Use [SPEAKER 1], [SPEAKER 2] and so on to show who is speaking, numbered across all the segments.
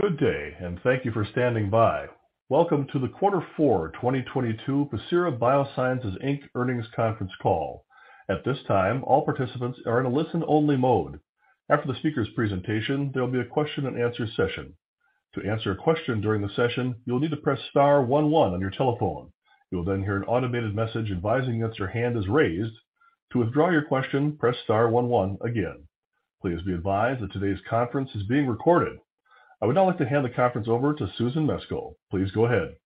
[SPEAKER 1] Good day. Thank you for standing by. Welcome to the Quarter Four 2022 Pacira BioSciences, Inc. Earnings Conference Call. At this time, all participants are in a listen-only mode. After the speaker's presentation, there will be a question-and-answer session. To answer a question during the session, you will need to press star 11 on your telephone. You will hear an automated message advising that your hand is raised. To withdraw your question, press star 11 again. Please be advised that today's conference is being recorded. I would now like to hand the conference over to Susan Mesco. Please go ahead.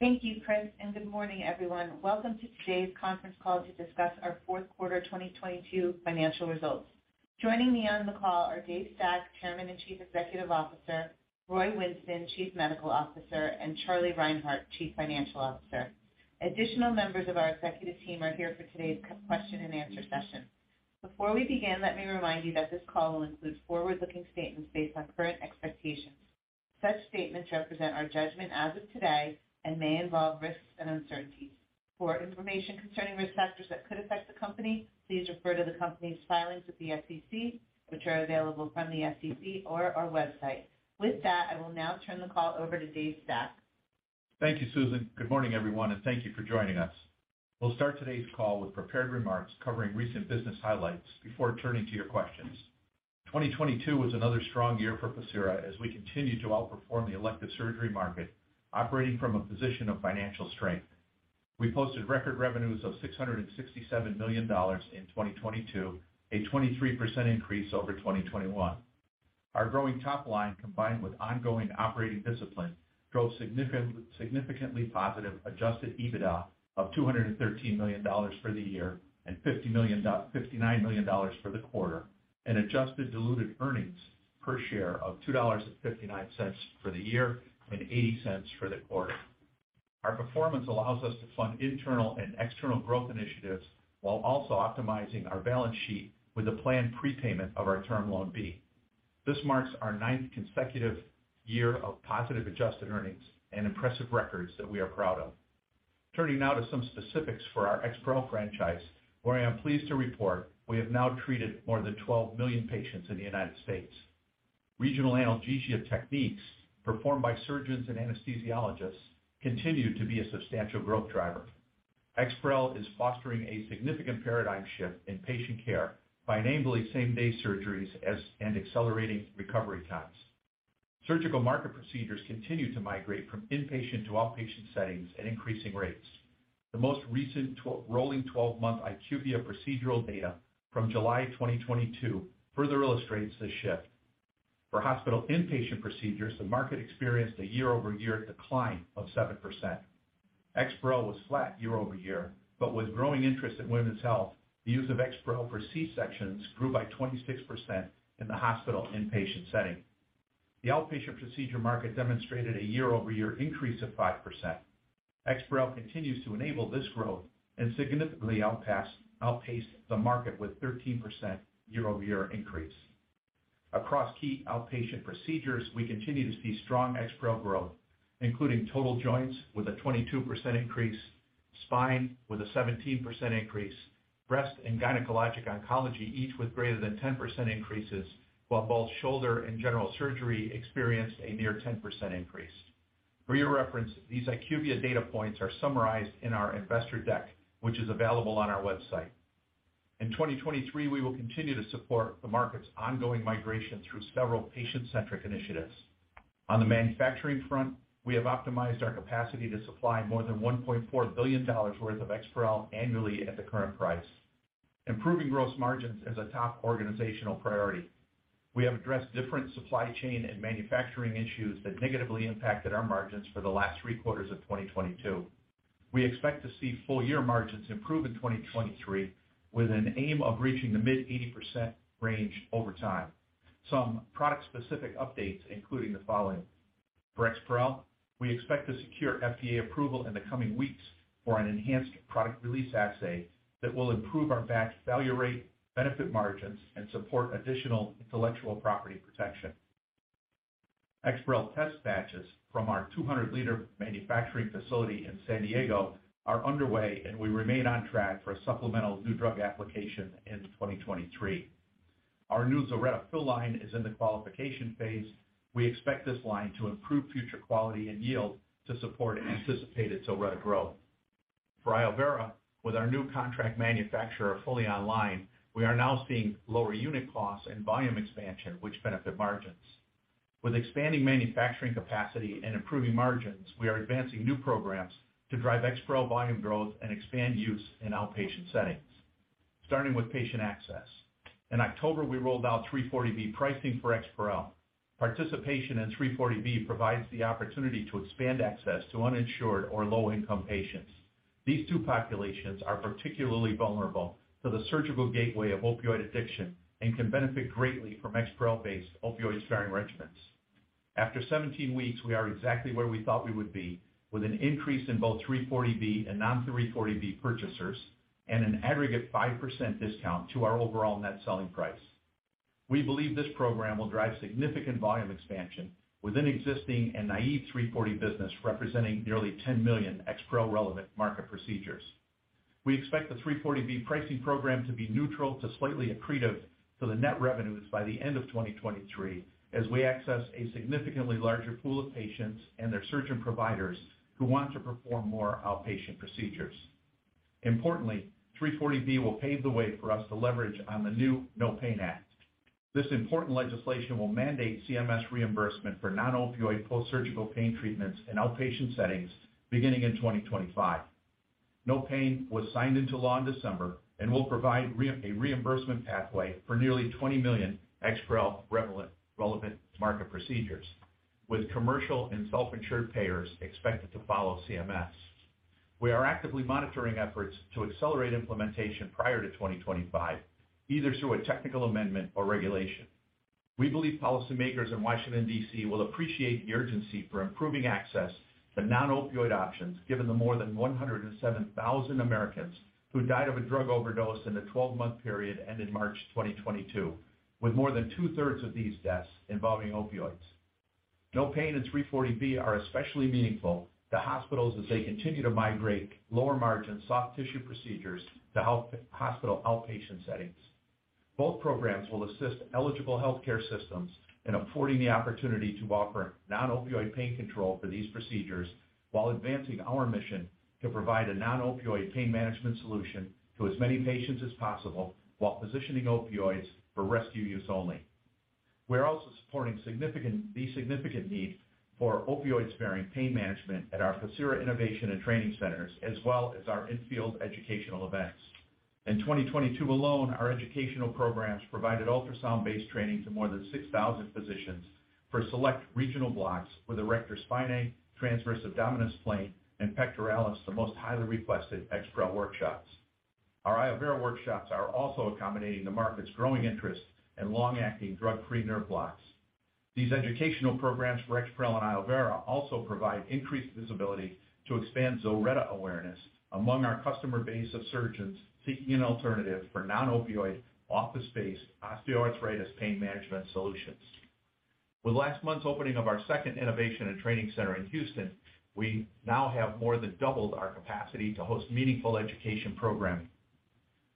[SPEAKER 2] Thank you, Chris. Good morning, everyone. Welcome to today's conference call to discuss our Fourth Quarter 2022 Financial Results. Joining me on the call are Dave Stack, Chairman and Chief Executive Officer, Roy Winston, Chief Medical Officer, and Charlie Reinhart, Chief Financial Officer. Additional members of our executive team are here for today's question-and-answer session. Before we begin, let me remind you that this call will include forward-looking statements based on current expectations. Such statements represent our judgment as of today and may involve risks and uncertainties. For information concerning risk factors that could affect the company, please refer to the company's filings with the SEC, which are available from the SEC or our website. With that, I will now turn the call over to Dave Stack.
[SPEAKER 3] Thank you, Susan. Good morning, everyone, and thank you for joining us. We'll start today's call with prepared remarks covering recent business highlights before turning to your questions. 2022 was another strong year for Pacira as we continued to outperform the elective surgery market, operating from a position of financial strength. We posted record revenues of $667 million in 2022, a 23% increase over 2021. Our growing top line, combined with ongoing operating discipline, drove significantly positive Adjusted EBITDA of $213 million for the year and $59 million for the quarter, and adjusted diluted earnings per share of $2.59 for the year and $0.80 for the quarter. Our performance allows us to fund internal and external growth initiatives while also optimizing our balance sheet with a planned prepayment of our Term Loan B. This marks our ninth consecutive year of positive adjusted earnings and impressive records that we are proud of. Turning now to some specifics for our EXPAREL franchise, where I am pleased to report we have now treated more than 12 million patients in the U.S. Regional analgesia techniques performed by surgeons and anesthesiologists continue to be a substantial growth driver. EXPAREL is fostering a significant paradigm shift in patient care by enabling same-day surgeries and accelerating recovery times. Surgical market procedures continue to migrate from inpatient to outpatient settings at increasing rates. The most recent rolling 12-month IQVIA procedural data from July 2022 further illustrates this shift. For hospital inpatient procedures, the market experienced a year-over-year decline of 7%. EXPAREL was flat year-over-year. With growing interest in women's health, the use of EXPAREL for C-sections grew by 26% in the hospital inpatient setting. The outpatient procedure market demonstrated a year-over-year increase of 5%. EXPAREL continues to enable this growth and significantly outpace the market with 13% year-over-year increase. Across key outpatient procedures, we continue to see strong EXPAREL growth, including total joints with a 22% increase, spine with a 17% increase, breast and gynecologic oncology each with greater than 10% increases, while both shoulder and general surgery experienced a near 10% increase. For your reference, these IQVIA data points are summarized in our investor deck, which is available on our website. In 2023, we will continue to support the market's ongoing migration through several patient-centric initiatives. On the manufacturing front, we have optimized our capacity to supply more than $1.4 billion worth of EXPAREL annually at the current price. Improving gross margins is a top organizational priority. We have addressed different supply chain and manufacturing issues that negatively impacted our margins for the last three quarters of 2022. We expect to see full year margins improve in 2023 with an aim of reaching the mid-80% range over time. Some product-specific updates including the following. For EXPAREL, we expect to secure FDA approval in the coming weeks for an enhanced product release assay that will improve our batch value rate, benefit margins, and support additional intellectual property protection. EXPAREL test batches from our 200-liter manufacturing facility in San Diego are underway, and we remain on track for a supplemental new drug application in 2023. Our new ZILRETTA fill line is in the qualification phase. We expect this line to improve future quality and yield to support anticipated ZILRETTA growth. For iovera, with our new contract manufacturer fully online, we are now seeing lower unit costs and volume expansion, which benefit margins. With expanding manufacturing capacity and improving margins, we are advancing new programs to drive EXPAREL volume growth and expand use in outpatient settings. Starting with patient access. In October, we rolled out 340B pricing for EXPAREL. Participation in 340B provides the opportunity to expand access to uninsured or low-income patients. These two populations are particularly vulnerable to the surgical gateway of opioid addiction and can benefit greatly from EXPAREL-based opioid-sparing regimens. After 17 weeks, we are exactly where we thought we would be, with an increase in both 340B and non-340B purchasers and an aggregate 5% discount to our overall net selling price. We believe this program will drive significant volume expansion within existing and naive 340B business representing nearly 10 million EXPAREL-relevant market procedures. We expect the 340B pricing program to be neutral to slightly accretive to the net revenues by the end of 2023 as we access a significantly larger pool of patients and their surgeon providers who want to perform more outpatient procedures. Importantly, 340B will pave the way for us to leverage on the new NOPAIN Act. This important legislation will mandate CMS reimbursement for non-opioid post-surgical pain treatments in outpatient settings beginning in 2025. NOPAIN was signed into law in December and will provide a reimbursement pathway for nearly 20 million EXPAREL relevant market procedures, with commercial and self-insured payers expected to follow CMS. We are actively monitoring efforts to accelerate implementation prior to 2025, either through a technical amendment or regulation. We believe policymakers in Washington, D.C., will appreciate the urgency for improving access to non-opioid options, given the more than 107,000 Americans who died of a drug overdose in the 12-month period ended March 2022, with more than two-thirds of these deaths involving opioids. NOPAIN and 340B are especially meaningful to hospitals as they continue to migrate lower margin soft tissue procedures to hospital outpatient settings. Both programs will assist eligible healthcare systems in affording the opportunity to offer non-opioid pain control for these procedures while advancing our mission to provide a non-opioid pain management solution to as many patients as possible while positioning opioids for rescue use only. We're also supporting the significant need for opioid-sparing pain management at our Pacira Innovation and Training Centers, as well as our in-field educational events. In 2022 alone, our educational programs provided ultrasound-based training to more than 6,000 physicians for select regional blocks with erector spinae, transverse abdominis plane, and pectoralis, the most highly requested EXPAREL workshops. Our iovera workshops are also accommodating the market's growing interest in long-acting drug-free nerve blocks. These educational programs for EXPAREL and iovera also provide increased visibility to expand ZILRETTA awareness among our customer base of surgeons seeking an alternative for non-opioid office-based osteoarthritis pain management solutions. With last month's opening of our second Innovation and Training Center in Houston, we now have more than doubled our capacity to host meaningful education programming.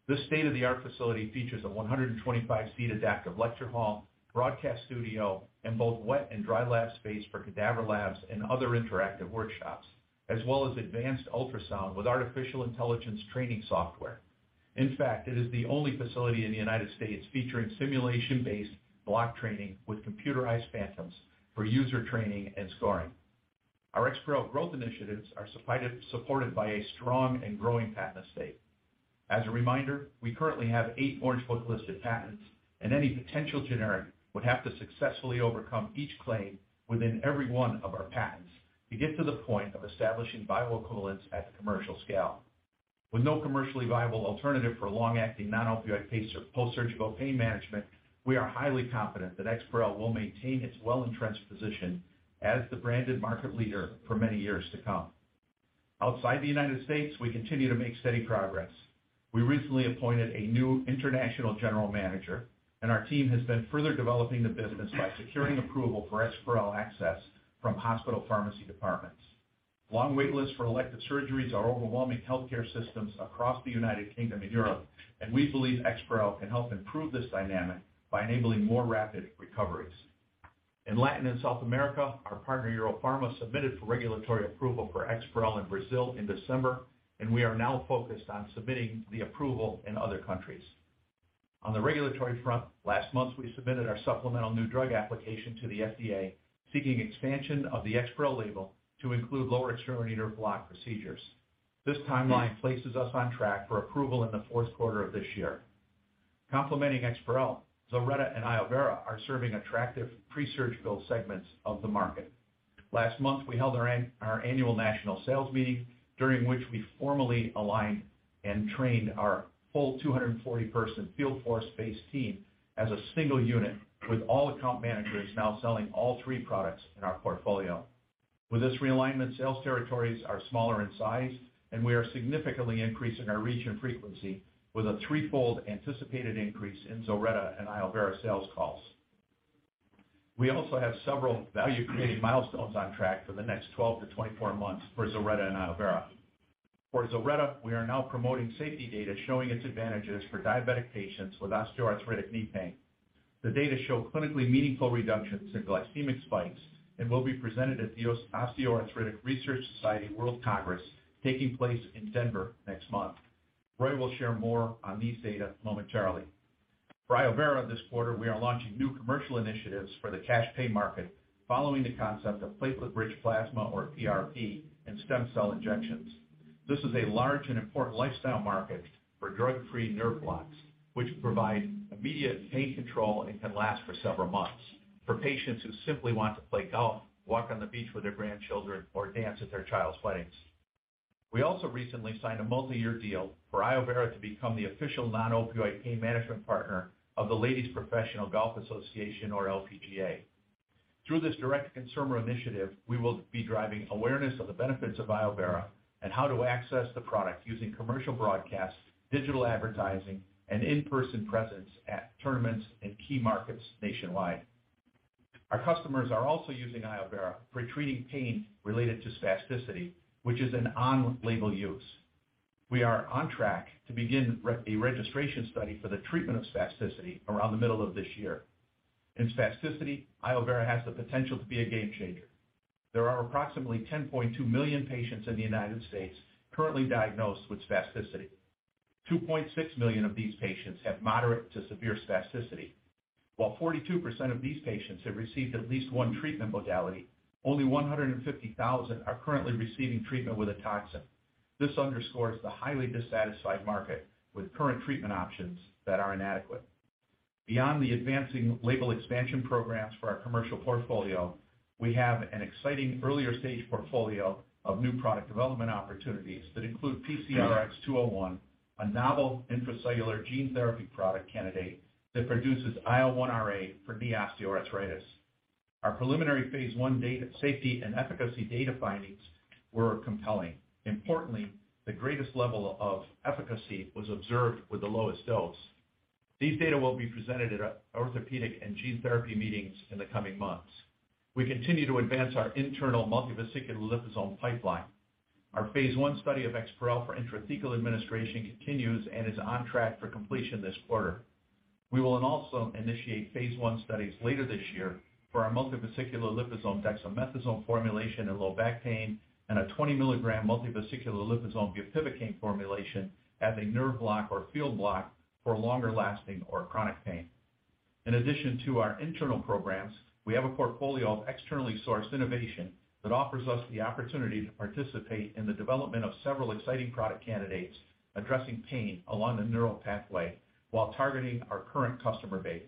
[SPEAKER 3] This state-of-the-art facility features a 125-seat adaptive lecture hall, broadcast studio, and both wet and dry lab space for cadaver labs and other interactive workshops, as well as advanced ultrasound with artificial intelligence training software. In fact, it is the only facility in the United States featuring simulation-based block training with computerized phantoms for user training and scoring. Our EXPAREL growth initiatives are supported by a strong and growing patent estate. As a reminder, we currently have eight Orange Book-listed patents, and any potential generic would have to successfully overcome each claim within every one of our patents to get to the point of establishing bioequivalence at commercial scale. With no commercially viable alternative for long-acting non-opioid post-surgical pain management, we are highly confident that EXPAREL will maintain its well-entrenched position as the branded market leader for many years to come. Outside the United States, we continue to make steady progress. We recently appointed a new international general manager, and our team has been further developing the business by securing approval for EXPAREL access from hospital pharmacy departments. Long wait lists for elective surgeries are overwhelming healthcare systems across the United Kingdom and Europe, and we believe EXPAREL can help improve this dynamic by enabling more rapid recoveries. In Latin and South America, our partner, Eurofarma, submitted for regulatory approval for EXPAREL in Brazil in December, and we are now focused on submitting the approval in other countries. On the regulatory front, last month, we submitted our supplemental new drug application to the FDA seeking expansion of the EXPAREL label to include lower extremity nerve block procedures. This timeline places us on track for approval in the fourth quarter of this year. Complementing EXPAREL, ZILRETTA and iovera are serving attractive pre-surgical segments of the market. Last month, we held our annual national sales meeting, during which we formally aligned and trained our full 240-person field force-based team as a single unit, with all account managers now selling all three products in our portfolio. With this realignment, sales territories are smaller in size, and we are significantly increasing our reach and frequency with a threefold anticipated increase in ZILRETTA and iovera sales calls. We also have several value-creating milestones on track for the next 12 to 24 months for ZILRETTA and iovera. For ZILRETTA, we are now promoting safety data showing its advantages for diabetic patients with osteoarthritic knee pain. The data show clinically meaningful reductions in glycemic spikes and will be presented at the Osteoarthritis Research Society World Congress taking place in Denver next month. Roy will share more on these data momentarily. For iovera this quarter, we are launching new commercial initiatives for the cash pay market following the concept of platelet-rich plasma, or PRP, and stem cell injections. This is a large and important lifestyle market for drug-free nerve blocks, which provide immediate pain control and can last for several months for patients who simply want to play golf, walk on the beach with their grandchildren, or dance at their child's weddings. We also recently signed a multiyear deal for iovera to become the official non-opioid pain management partner of the Ladies Professional Golf Association, or LPGA. Through this direct-to-consumer initiative, we will be driving awareness of the benefits of iovera and how to access the product using commercial broadcasts, digital advertising, and in-person presence at tournaments in key markets nationwide. Our customers are also using iovera for treating pain related to spasticity, which is an on-label use. We are on track to begin a registration study for the treatment of spasticity around the middle of this year. In spasticity, iovera has the potential to be a game changer. There are approximately 10.2 million patients in the U.S. currently diagnosed with spasticity. 2.6 million of these patients have moderate to severe spasticity. 42% of these patients have received at least one treatment modality, only 150,000 are currently receiving treatment with a toxin. This underscores the highly dissatisfied market with current treatment options that are inadequate. Beyond the advancing label expansion programs for our commercial portfolio, we have an exciting earlier stage portfolio of new product development opportunities that include PCRX-201, a novel intracellular gene therapy product candidate that produces IL-1Ra for knee osteoarthritis. Our preliminary phase I data safety and efficacy data findings were compelling. Importantly, the greatest level of efficacy was observed with the lowest dose. These data will be presented at orthopedic and gene therapy meetings in the coming months. We continue to advance our internal multivesicular liposome pipeline. Our phase I study of EXPAREL for intrathecal administration continues and is on track for completion this quarter. We will also initiate phase I studies later this year for our multivesicular liposome dexamethasone formulation in low back pain and a 20-milligram multivesicular liposome bupivacaine formulation as a nerve block or field block for longer-lasting or chronic pain. In addition to our internal programs, we have a portfolio of externally sourced innovation that offers us the opportunity to participate in the development of several exciting product candidates addressing pain along the neural pathway while targeting our current customer base.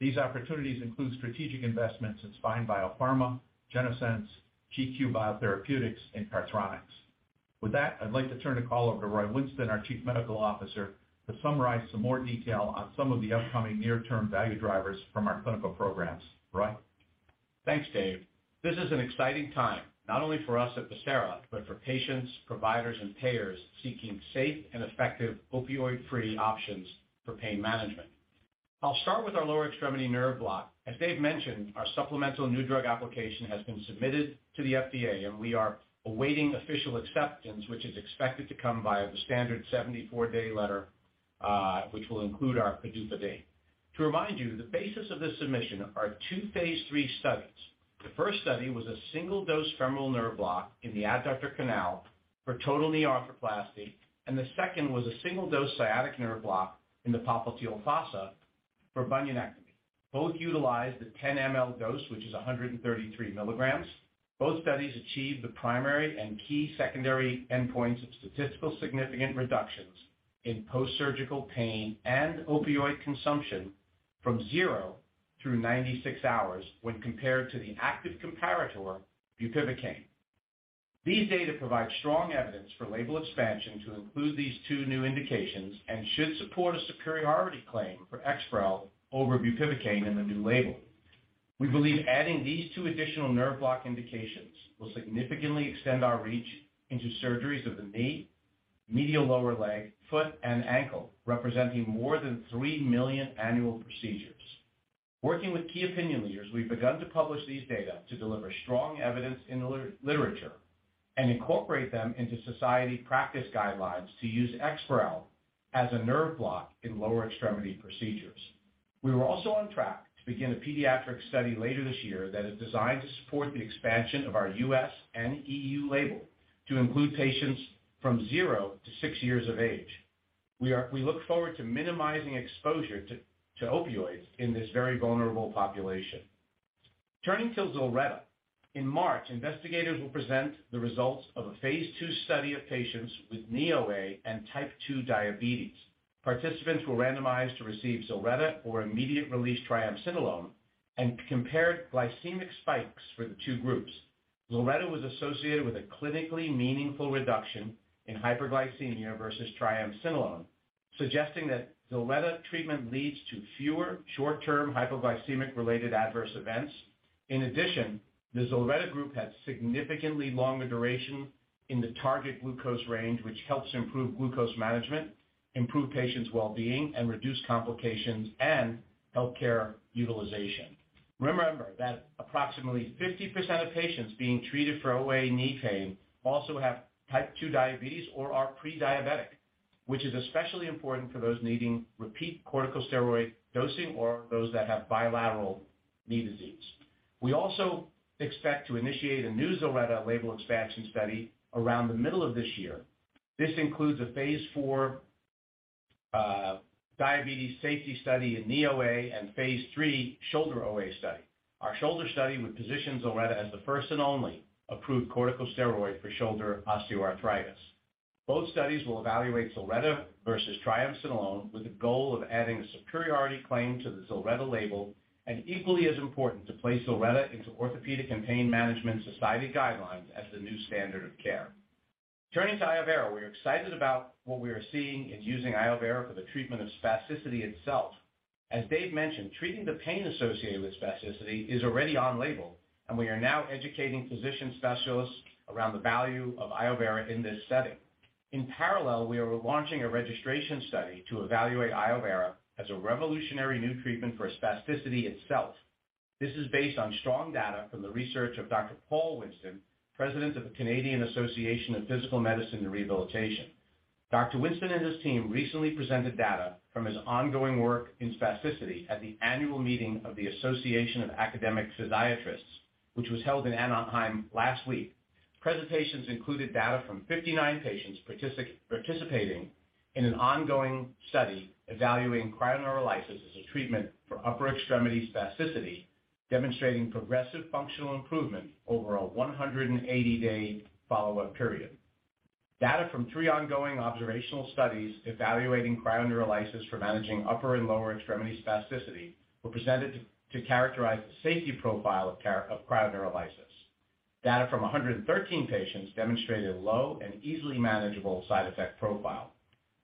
[SPEAKER 3] These opportunities include strategic investments in Spine BioPharma, Geneos Therapeutics, GQ Bio Therapeutics, and CartiHeal. With that, I'd like to turn the call over to Roy Winston, our Chief Medical Officer, to summarize some more detail on some of the upcoming near-term value drivers from our clinical programs. Roy?
[SPEAKER 4] Thanks, Dave. This is an exciting time, not only for us at Pacira, but for patients, providers, and payers seeking safe and effective opioid-free options for pain management. I'll start with our lower extremity nerve block. As Dave mentioned, our supplemental new drug application has been submitted to the FDA, and we are awaiting official acceptance, which is expected to come via the standard 74-day letter, which will include our PDUFA date. To remind you, the basis of this submission are two phase III studies. The first study was a single-dose femoral nerve block in the adductor canal for total knee arthroplasty, and the second was a single-dose sciatic nerve block in the popliteal fossa for bunionectomy. Both utilized the 10 ml dose, which is 133 milligrams. Both studies achieved the primary and key secondary endpoints of statistical significant reductions in post-surgical pain and opioid consumption from 0 through 96 hours when compared to the active comparator, bupivacaine. These data provide strong evidence for label expansion to include these two new indications and should support a superiority claim for EXPAREL over bupivacaine in the new label. We believe adding these two additional nerve block indications will significantly extend our reach into surgeries of the knee, medial lower leg, foot, and ankle, representing more than 3 million annual procedures. Working with key opinion leaders, we've begun to publish these data to deliver strong evidence in the literature and incorporate them into society practice guidelines to use EXPAREL as a nerve block in lower extremity procedures. We are also on track to begin a pediatric study later this year that is designed to support the expansion of our U.S. and EU. label to include patients from 0 to six years of age. We look forward to minimizing exposure to opioids in this very vulnerable population. Turning to ZILRETTA. In March, investigators will present the results of a phase II study of patients with knee OA and type 2 diabetes. Participants were randomized to receive ZILRETTA or immediate-release triamcinolone and compared glycemic spikes for the two groups. ZILRETTA was associated with a clinically meaningful reduction in hyperglycemia versus triamcinolone, suggesting that ZILRETTA treatment leads to fewer short-term hypoglycemic related adverse events. The ZILRETTA group had significantly longer duration in the target glucose range, which helps improve glucose management, improve patients' well-being, and reduce complications and healthcare utilization. Remember that approximately 50% of patients being treated for OA knee pain also have type 2 diabetes or are pre-diabetic, which is especially important for those needing repeat corticosteroid dosing or those that have bilateral knee disease. We also expect to initiate a new ZILRETTA label expansion study around the middle of this year. This includes a phase IV diabetes safety study in knee OA and phase III shoulder OA study. Our shoulder study would position ZILRETTA as the first and only approved corticosteroid for shoulder osteoarthritis. Both studies will evaluate ZILRETTA versus triamcinolone with the goal of adding a superiority claim to the ZILRETTA label and, equally as important, to place ZILRETTA into orthopedic and pain management society guidelines as the new standard of care. Turning to iovera, we are excited about what we are seeing in using iovera for the treatment of spasticity itself. As Dave mentioned, treating the pain associated with spasticity is already on label, and we are now educating physician specialists around the value of iovera in this setting. In parallel, we are launching a registration study to evaluate iovera as a revolutionary new treatment for spasticity itself. This is based on strong data from the research of Dr. Paul Winston, President of the Canadian Association of Physical Medicine & Rehabilitation. Dr. Winston and his team recently presented data from his ongoing work in spasticity at the annual meeting of the Association of Academic Physiatrists, which was held in Anaheim last week. Presentations included data from 59 patients participating in an ongoing study evaluating cryoneurolysis as a treatment for upper extremity spasticity, demonstrating progressive functional improvement over a 180-day follow-up period. Data from three ongoing observational studies evaluating cryoneurolysis for managing upper and lower extremity spasticity were presented to characterize the safety profile of cryoneurolysis. Data from 113 patients demonstrated low and easily manageable side effect profile.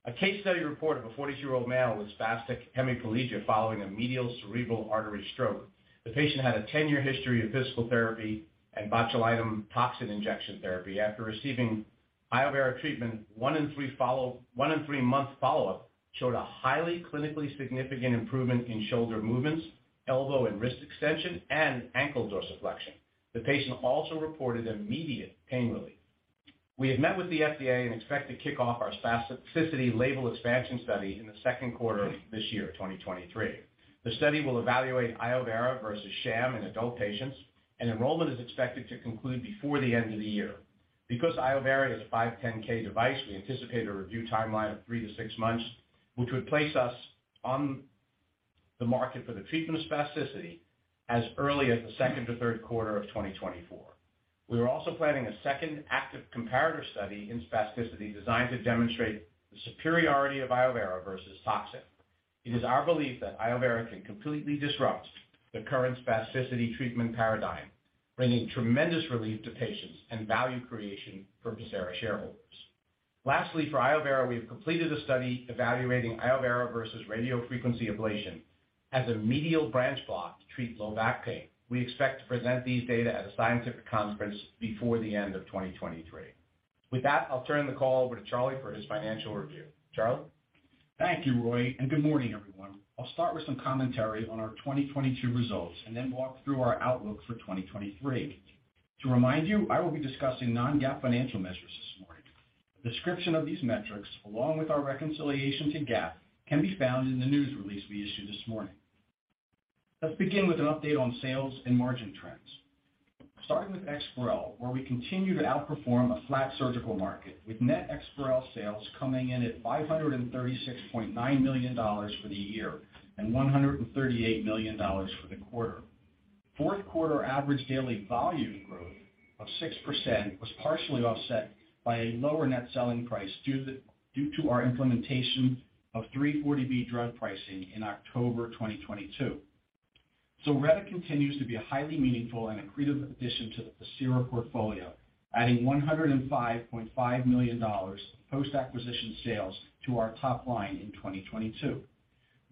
[SPEAKER 4] A case study reported a 42-year-old male with spastic hemiplegia following a middle cerebral artery stroke. The patient had a 10-year history of physical therapy and botulinum toxin injection therapy. After receiving iovera treatment, one in three-month follow-up showed a highly clinically significant improvement in shoulder movements, elbow and wrist extension, and ankle dorsiflexion. The patient also reported immediate pain relief. We have met with the FDA and expect to kick off our spasticity label expansion study in the second quarter of this year, 2023. The study will evaluate iovera versus sham in adult patients. Enrollment is expected to conclude before the end of the year. Because iovera is a 510(k) device, we anticipate a review timeline of three to six months, which would place us on the market for the treatment of spasticity as early as the second or third quarter of 2024. We are also planning a second active comparator study in spasticity designed to demonstrate the superiority of iovera versus toxin. It is our belief that iovera can completely disrupt the current spasticity treatment paradigm, bringing tremendous relief to patients and value creation for Pacira shareholders. Lastly, for iovera, we have completed a study evaluating iovera versus radiofrequency ablation as a medial branch block to treat low back pain. We expect to present these data at a scientific conference before the end of 2023. With that, I'll turn the call over to Charlie for his financial review. Charlie?
[SPEAKER 5] Thank you, Roy. Good morning, everyone. I'll start with some commentary on our 2022 results and then walk through our outlook for 2023. To remind you, I will be discussing non-GAAP financial measures this morning. A description of these metrics, along with our reconciliation to GAAP, can be found in the news release we issued this morning. Let's begin with an update on sales and margin trends. Starting with EXPAREL, where we continue to outperform a flat surgical market with net EXPAREL sales coming in at $536.9 million for the year and $138 million for the quarter. Fourth quarter average daily volume growth of 6% was partially offset by a lower net selling price due to our implementation of 340B drug pricing in October 2022. ZILRETTA continues to be a highly meaningful and accretive addition to the Pacira portfolio, adding $105.5 million post-acquisition sales to our top line in 2022.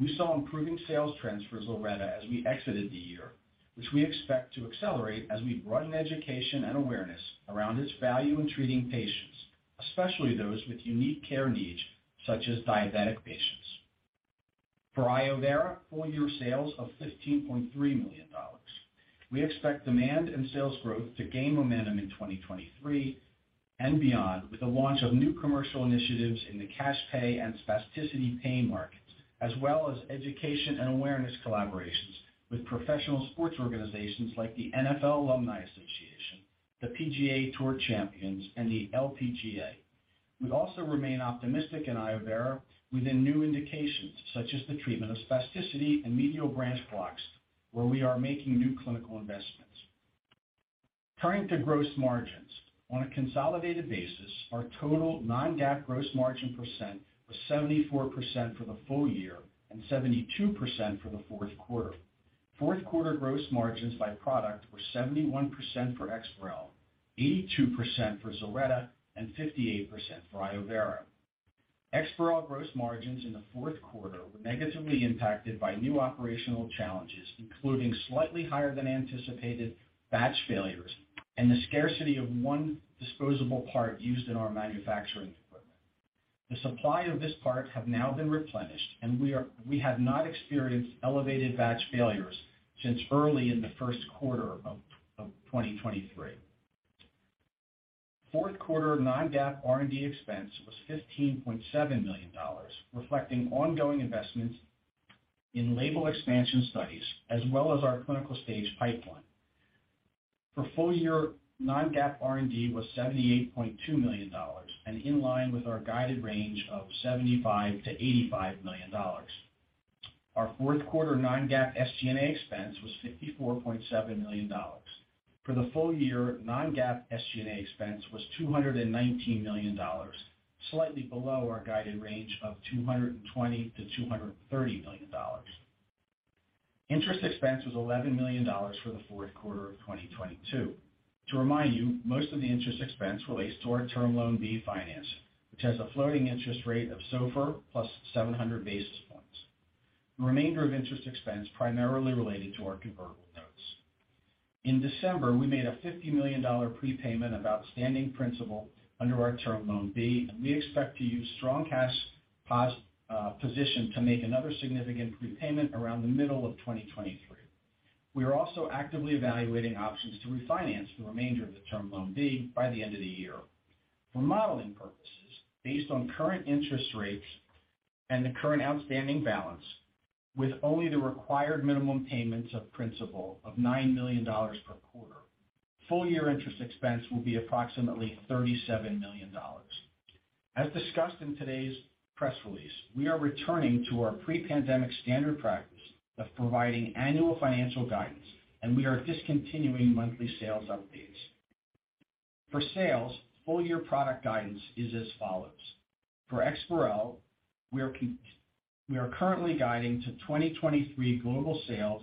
[SPEAKER 5] We saw improving sales trends for ZILRETTA as we exited the year, which we expect to accelerate as we broaden education and awareness around its value in treating patients, especially those with unique care needs, such as diabetic patients. For iovera, full year sales of $15.3 million. We expect demand and sales growth to gain momentum in 2023 and beyond with the launch of new commercial initiatives in the cash pay and spasticity pain markets, as well as education and awareness collaborations with professional sports organizations like the NFL Alumni Association, the PGA TOUR Champions, and the LPGA. We also remain optimistic in iovera within new indications, such as the treatment of spasticity and medial branch blocks, where we are making new clinical investments. Turning to gross margins. On a consolidated basis, our total non-GAAP gross margin percent was 74% for the full year and 72% for the fourth quarter. Fourth quarter gross margins by product were 71% for EXPAREL, 82% for ZILRETTA, and 58% for iovera. EXPAREL gross margins in the fourth quarter were negatively impacted by new operational challenges, including slightly higher than anticipated batch failures and the scarcity of one disposable part used in our manufacturing equipment. The supply of this part have now been replenished, and we have not experienced elevated batch failures since early in the first quarter of 2023. Fourth quarter non-GAAP R&D expense was $15.7 million, reflecting ongoing investments in label expansion studies as well as our clinical stage pipeline. For full year, non-GAAP R&D was $78.2 million and in line with our guided range of $75 million-$85 million. Our fourth quarter non-GAAP SG&A expense was $54.7 million. For the full year, non-GAAP SG&A expense was $219 million, slightly below our guided range of $220 million-$230 million. Interest expense was $11 million for the fourth quarter of 2022. To remind you, most of the interest expense relates to our Term Loan B finance, which has a floating interest rate of SOFR plus 700 basis points. The remainder of interest expense primarily related to our convertible notes. In December, we made a $50 million prepayment of outstanding principal under our Term Loan B, and we expect to use strong cash position to make another significant prepayment around the middle of 2023. We are also actively evaluating options to refinance the remainder of the Term Loan B by the end of the year. For modeling purposes, based on current interest rates and the current outstanding balance, with only the required minimum payments of principal of $9 million per quarter, full year interest expense will be approximately $37 million. As discussed in today's press release, we are returning to our pre-pandemic standard practice of providing annual financial guidance, and we are discontinuing monthly sales updates. For sales, full year product guidance is as follows. For EXPAREL, we are currently guiding to 2023 global sales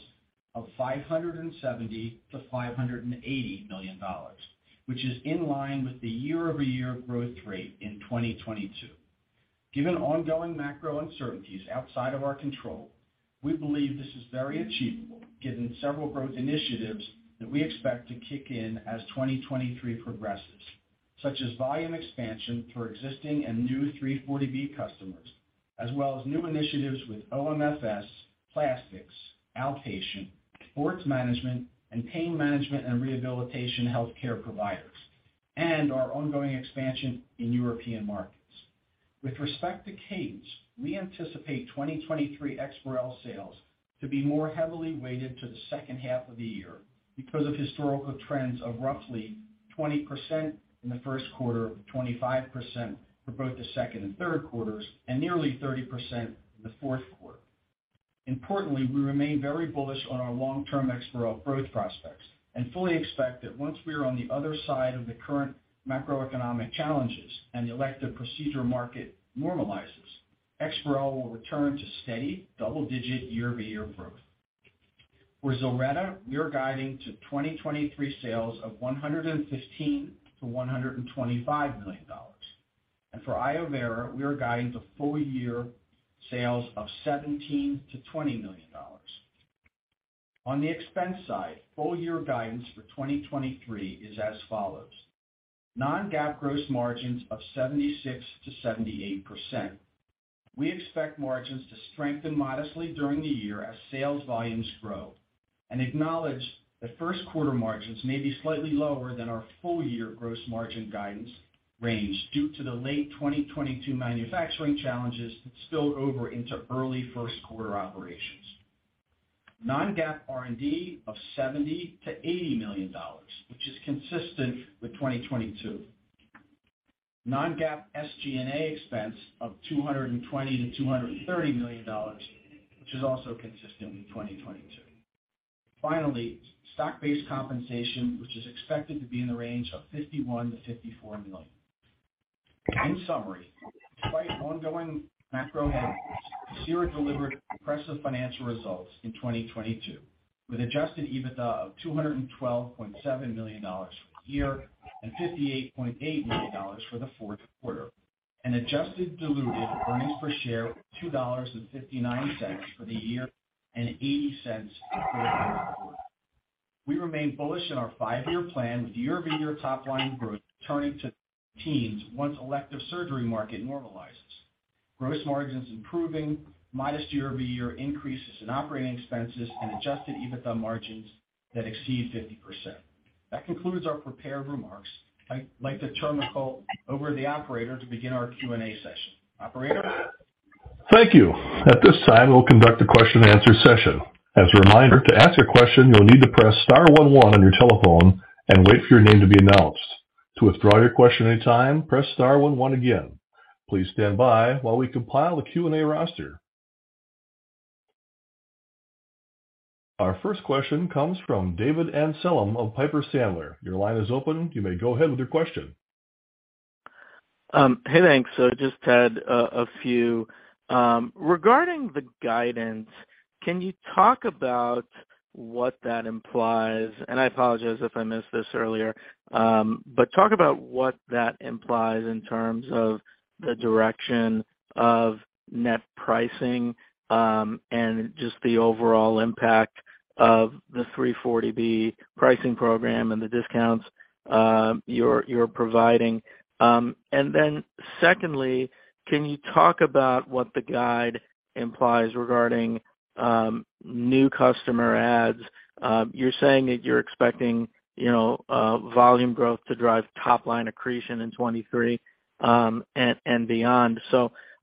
[SPEAKER 5] of $570 million-$580 million, which is in line with the year-over-year growth rate in 2022. Given ongoing macro uncertainties outside of our control, we believe this is very achievable given several growth initiatives that we expect to kick in as 2023 progresses, such as volume expansion for existing and new 340B customers, as well as new initiatives with OMFS, plastics, outpatient, sports management, and pain management and rehabilitation healthcare providers, and our ongoing expansion in European markets. With respect to cadence, we anticipate 2023 EXPAREL sales to be more heavily weighted to the second half of the year because of historical trends of roughly 20% in the first quarter, 25% for both the second and third quarters, and nearly 30% in the fourth quarter. Importantly, we remain very bullish on our long-term EXPAREL growth prospects and fully expect that once we are on the other side of the current macroeconomic challenges and the elective procedure market normalizes, EXPAREL will return to steady double-digit year-over-year growth. For ZILRETTA, we are guiding to 2023 sales of $115 million-$125 million. For iovera, we are guiding to full year sales of $17 million-$20 million. On the expense side, full year guidance for 2023 is as follows. Non-GAAP gross margins of 76%-78%. We expect margins to strengthen modestly during the year as sales volumes grow and acknowledge that first quarter margins may be slightly lower than our full year gross margin guidance range due to the late 2022 manufacturing challenges that spilled over into early first quarter operations. Non-GAAP R&D of $70 million-$80 million, which is consistent with 2022. Non-GAAP SG&A expense of $220 million-$230 million, which is also consistent with 2022. Finally, stock-based compensation, which is expected to be in the range of $51 million-$54 million. In summary, despite ongoing macro headwinds, Pacira delivered impressive financial results in 2022, with Adjusted EBITDA of $212.7 million for the year and $58.8 million for the fourth quarter, and adjusted diluted earnings per share of $2.59 for the year and $0.80 for the fourth quarter. We remain bullish in our five-year plan with year-over-year top-line growth returning to teens once elective surgery market normalizes. Gross margins improving, modest year-over-year increases in operating expenses and Adjusted EBITDA margins that exceed 50%. That concludes our prepared remarks. I'd like to turn the call over to the operator to begin our Q&A session. Operator?
[SPEAKER 1] Thank you. At this time, we'll conduct a question-and-answer session. As a reminder, to ask a question, you'll need to press star one one on your telephone and wait for your name to be announced. To withdraw your question any time, press star one one again. Please stand by while we compile a Q&A roster. Our first question comes from David Amsellem of Piper Sandler. Your line is open. You may go ahead with your question.
[SPEAKER 6] Hey, thanks. Just had a few. Regarding the guidance, can you talk about what that implies? I apologize if I missed this earlier. Talk about what that implies in terms of the direction of net pricing and just the overall impact of the 340B pricing program and the discounts you're providing. Secondly, can you talk about what the guide implies regarding new customer adds? You're saying that you're expecting, you know, volume growth to drive top line accretion in 23 and beyond.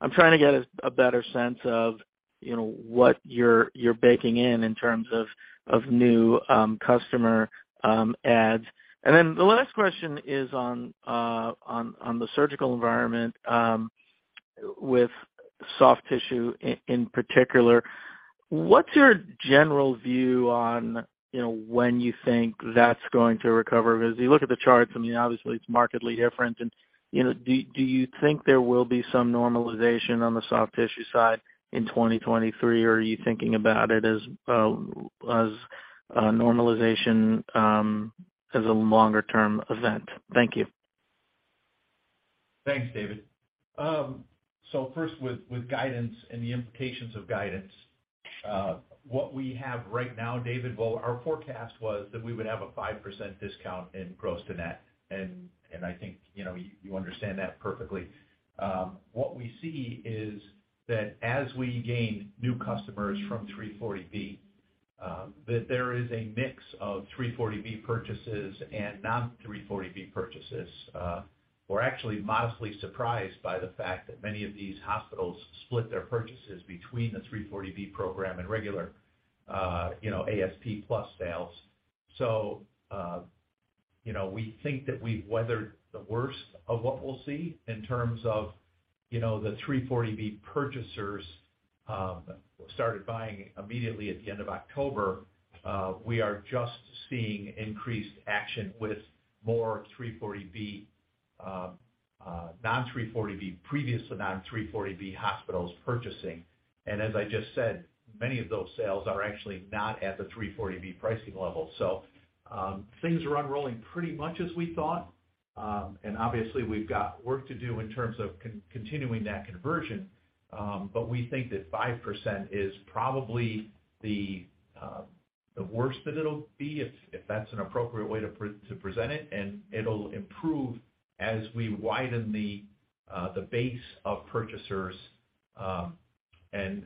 [SPEAKER 6] I'm trying to get a better sense of, you know, what you're baking in in terms of new customer adds. The last question is on the surgical environment with soft tissue in particular. What's your general view on, you know, when you think that's going to recover? Because you look at the charts, I mean, obviously it's markedly different. You know, do you think there will be some normalization on the soft tissue side in 2023? Or are you thinking about it as a normalization as a longer term event? Thank you.
[SPEAKER 3] Thanks, David. First with guidance and the implications of guidance. What we have right now, David, well, our forecast was that we would have a 5% discount in gross to net, and I think, you know, you understand that perfectly. What we see is that as we gain new customers from 340B, that there is a mix of 340B purchases and non-340B purchases. We're actually modestly surprised by the fact that many of these hospitals split their purchases between the 340B program and regular, you know, ASP plus sales. You know, we think that we've weathered the worst of what we'll see in terms of, you know, the 340B purchasers started buying immediately at the end of October. We are just seeing increased action with more 340B, non-340B, previously non-340B hospitals purchasing. As I just said, many of those sales are actually not at the 340B pricing level. Things are unrolling pretty much as we thought, obviously, we've got work to do in terms of continuing that conversion. We think that 5% is probably the worst that it'll be, if that's an appropriate way to present it'll improve as we widen the base of purchasers.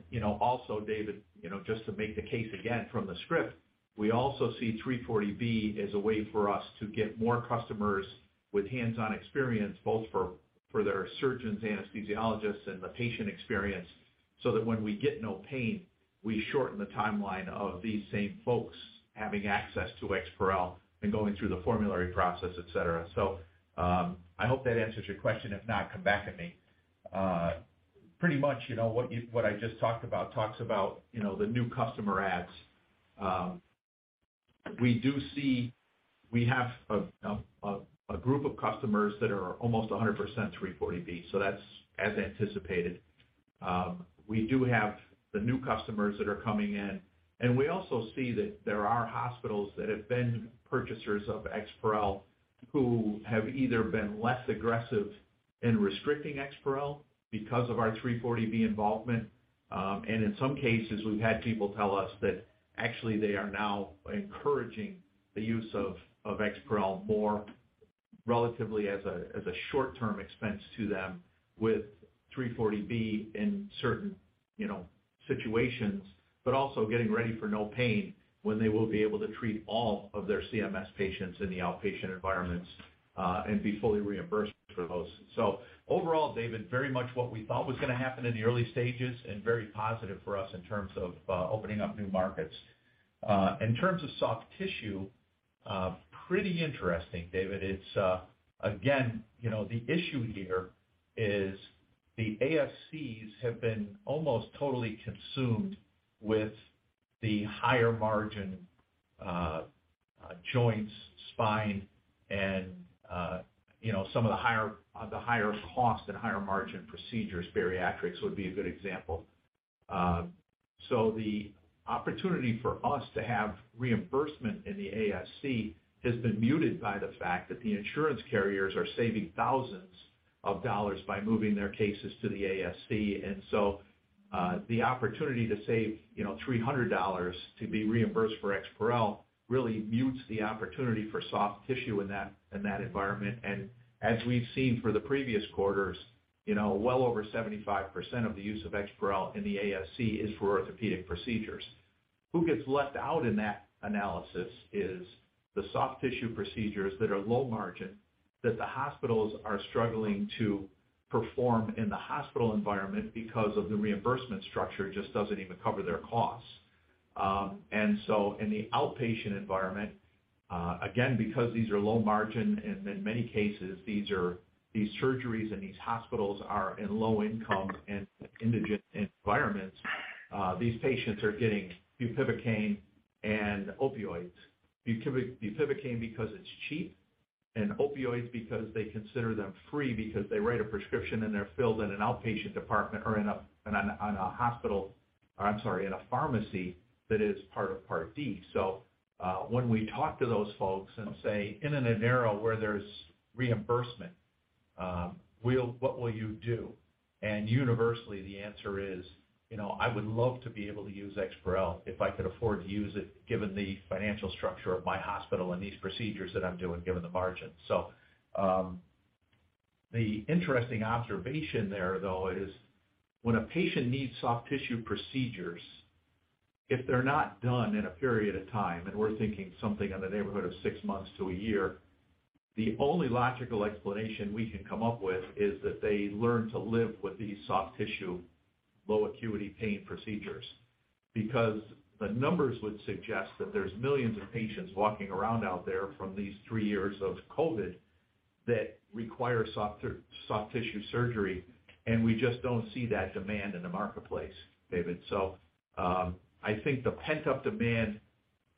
[SPEAKER 3] You know, also, David, you know, just to make the case again from the script, we also see 340B as a way for us to get more customers with hands-on experience, both for their surgeons, anesthesiologists, and the patient experience, so that when we get NOPAIN Act, we shorten the timeline of these same folks having access to EXPAREL and going through the formulary process, et cetera. I hope that answers your question. If not, come back at me. Pretty much, you know, what I just talked about, talks about, you know, the new customer adds. We do see we have a group of customers that are almost 100% 340B. That's as anticipated. We do have the new customers that are coming in. We also see that there are hospitals that have been purchasers of EXPAREL who have either been less aggressive in restricting EXPAREL because of our 340B involvement. In some cases, we've had people tell us that actually they are now encouraging the use of EXPAREL more relatively as a short-term expense to them with 340B in certain, you know, situations, but also getting ready for NOPAIN when they will be able to treat all of their CMS patients in the outpatient environments and be fully reimbursed for those. Overall, David, very much what we thought was gonna happen in the early stages and very positive for us in terms of opening up new markets. In terms of soft tissue, pretty interesting, David. It's again, you know, the issue here is the ASCs have been almost totally consumed with the higher margin joints, spine and, you know, some of the higher cost and higher margin procedures. Bariatrics would be a good example. So the opportunity for us to have reimbursement in the ASC has been muted by the fact that the insurance carriers are saving thousands of dollars by moving their cases to the ASC. The opportunity to save, you know, $300 to be reimbursed for EXPAREL really mutes the opportunity for soft tissue in that environment. As we've seen for the previous quarters, you know, well over 75% of the use of EXPAREL in the ASC is for orthopedic procedures. Who gets left out in that analysis is the soft tissue procedures that are low margin, that the hospitals are struggling to perform in the hospital environment because of the reimbursement structure just doesn't even cover their costs. In the outpatient environment, again, because these are low margin, and in many cases, these surgeries and these hospitals are in low income and indigent environments, these patients are getting bupivacaine and opioids. Bupivacaine because it's cheap and opioids because they consider them free because they write a prescription, and they're filled in an outpatient department or in a pharmacy that is part of Part D. When we talk to those folks and say, "In an era where there's reimbursement, what will you do?" Universally, the answer is, "You know, I would love to be able to use EXPAREL if I could afford to use it, given the financial structure of my hospital and these procedures that I'm doing, given the margin." The interesting observation there, though, is when a patient needs soft tissue procedures, if they're not done in a period of time, and we're thinking something in the neighborhood of six months to a year, the only logical explanation we can come up with is that they learn to live with these soft tissue, low acuity pain procedures. The numbers would suggest that there's millions of patients walking around out there from these three years of COVID that require soft tissue surgery, and we just don't see that demand in the marketplace, David. I think the pent-up demand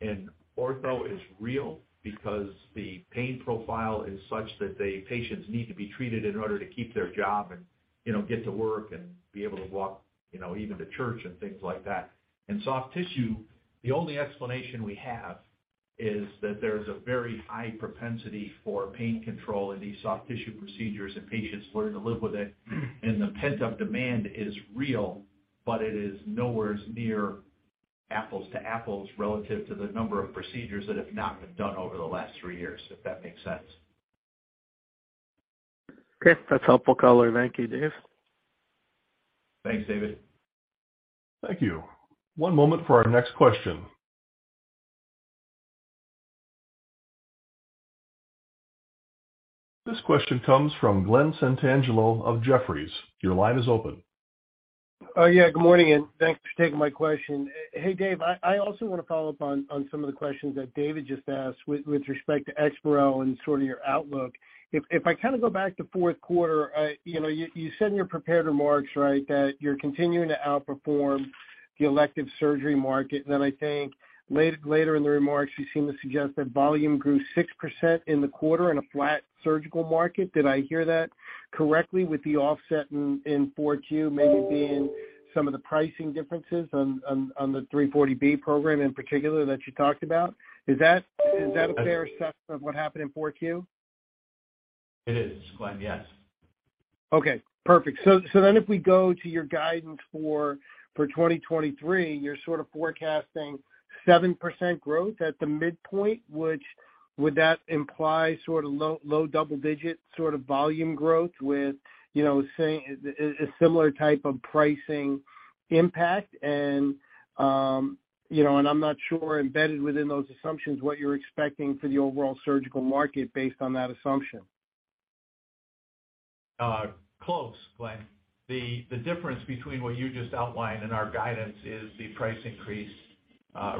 [SPEAKER 3] in ortho is real because the pain profile is such that patients need to be treated in order to keep their job and, you know, get to work and be able to walk, you know, even to church and things like that. In soft tissue, the only explanation we have is that there's a very high propensity for pain control in these soft tissue procedures, and patients learn to live with it. The pent-up demand is real, but it is nowhere near apples to apples relative to the number of procedures that have not been done over the last three years, if that makes sense.
[SPEAKER 1] Okay. That's helpful, color. Thank you, Dave.
[SPEAKER 3] Thanks, David.
[SPEAKER 1] Thank you. One moment for our next question. This question comes from Glen Santangelo of Jefferies. Your line is open.
[SPEAKER 7] Yeah, good morning, thanks for taking my question. Hey, Dave, I also want to follow up on some of the questions that David just asked with respect to EXPAREL and sort of your outlook. If I kind of go back to fourth quarter, you said in your prepared remarks, right, that you're continuing to outperform the elective surgery market. I think later in the remarks, you seem to suggest that volume grew 6% in the quarter in a flat surgical market. Did I hear that correctly with the offset in 4Q maybe being some of the pricing differences on the 340B program in particular that you talked about? Is that a fair assessment of what happened in 4Q?
[SPEAKER 3] It is, Glen. Yes.
[SPEAKER 7] Okay, perfect. If we go to your guidance for 2023, you're sort of forecasting 7% growth at the midpoint, which would that imply sort of low double-digit sort of volume growth with, you know, say, a similar type of pricing impact and, you know, I'm not sure embedded within those assumptions, what you're expecting for the overall surgical market based on that assumption?
[SPEAKER 3] Close, Glen. The difference between what you just outlined and our guidance is the price increase.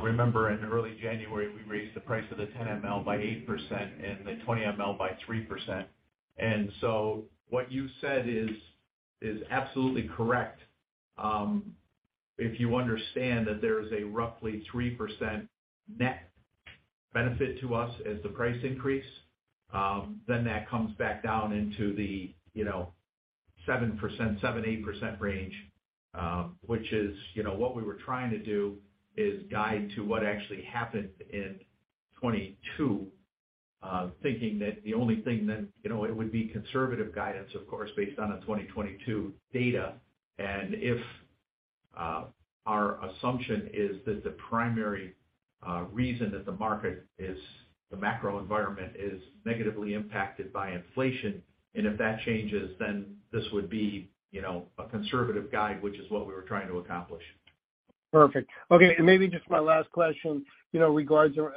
[SPEAKER 3] Remember in early January, we raised the price of the 10 ml by 8% and the 20 ml by 3%. What you said is absolutely correct. If you understand that there is a roughly 3% net benefit to us as the price increase, then that comes back down into the, you know, 7%, 8% range, which is, you know, what we were trying to do is guide to what actually happened in 2022, thinking that the only thing then, you know, it would be conservative guidance, of course, based on the 2022 data. If our assumption is that the primary reason that the market is the macro environment is negatively impacted by inflation, and if that changes, then this would be, you know, a conservative guide, which is what we were trying to accomplish.
[SPEAKER 7] Perfect. Okay, maybe just my last question, you know, regards or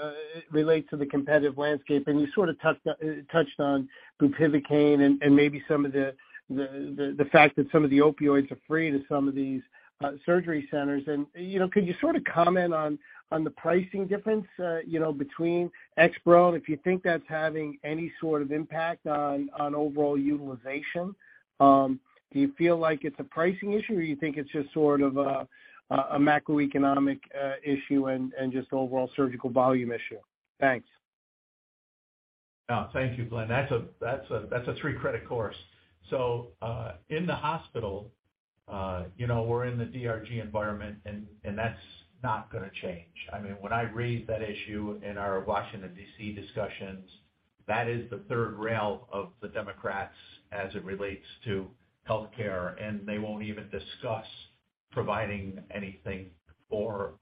[SPEAKER 7] relates to the competitive landscape. You sort of touched on bupivacaine and maybe some of the fact that some of the opioids are free to some of these surgery centers. You know, could you sort of comment on the pricing difference, you know, between EXPAREL and if you think that's having any sort of impact on overall utilization? Do you feel like it's a pricing issue or you think it's just sort of a macroeconomic issue and just overall surgical volume issue? Thanks.
[SPEAKER 3] Thank you, Glen. That's a three-credit course. In the hospital, you know, we're in the DRG environment and that's not gonna change. I mean, when I raised that issue in our Washington D.C. discussions, that is the third rail of the Democrats as it relates to healthcare, and they won't even discuss providing anything for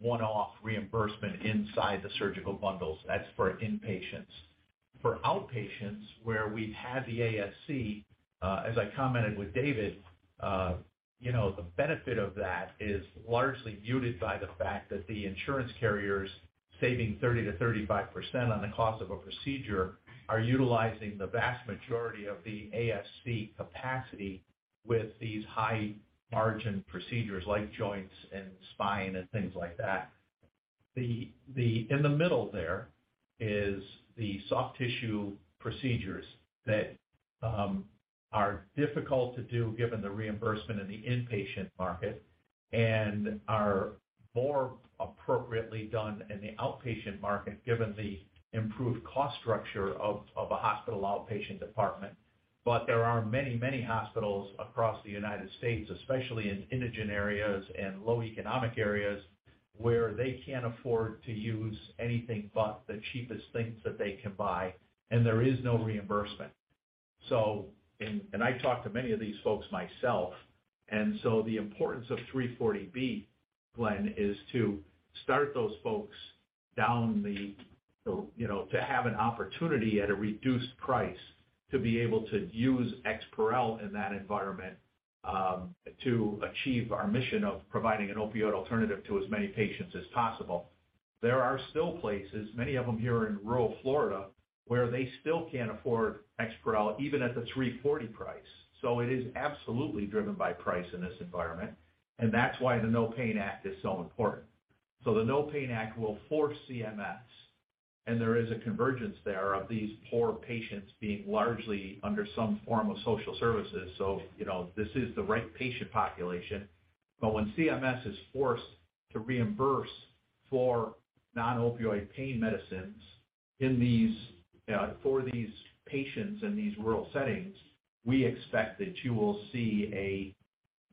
[SPEAKER 3] one-off reimbursement inside the surgical bundles. That's for inpatients. For outpatients, where we have the ASC, as I commented with David, you know, the benefit of that is largely muted by the fact that the insurance carriers saving 30%-35% on the cost of a procedure are utilizing the vast majority of the ASC capacity with these high margin procedures like joints and spine and things like that. The in the middle there is the soft tissue procedures that are difficult to do given the reimbursement in the inpatient market and are more appropriately done in the outpatient market, given the improved cost structure of a hospital outpatient department. There are many, many hospitals across the United States, especially in indigent areas and low economic areas, where they can't afford to use anything but the cheapest things that they can buy, and there is no reimbursement. I talk to many of these folks myself. The importance of 340B, Glen, is to start those folks down the, you know, to have an opportunity at a reduced price to be able to use EXPAREL in that environment to achieve our mission of providing an opioid alternative to as many patients as possible. There are still places, many of them here in rural Florida, where they still can't afford EXPAREL even at the 340 price. It is absolutely driven by price in this environment, and that's why the NOPAIN Act is so important. The NOPAIN Act will force CMS, and there is a convergence there of these poor patients being largely under some form of social services. You know, this is the right patient population. When CMS is forced to reimburse for non-opioid pain medicines in these, for these patients in these rural settings, we expect that you will see a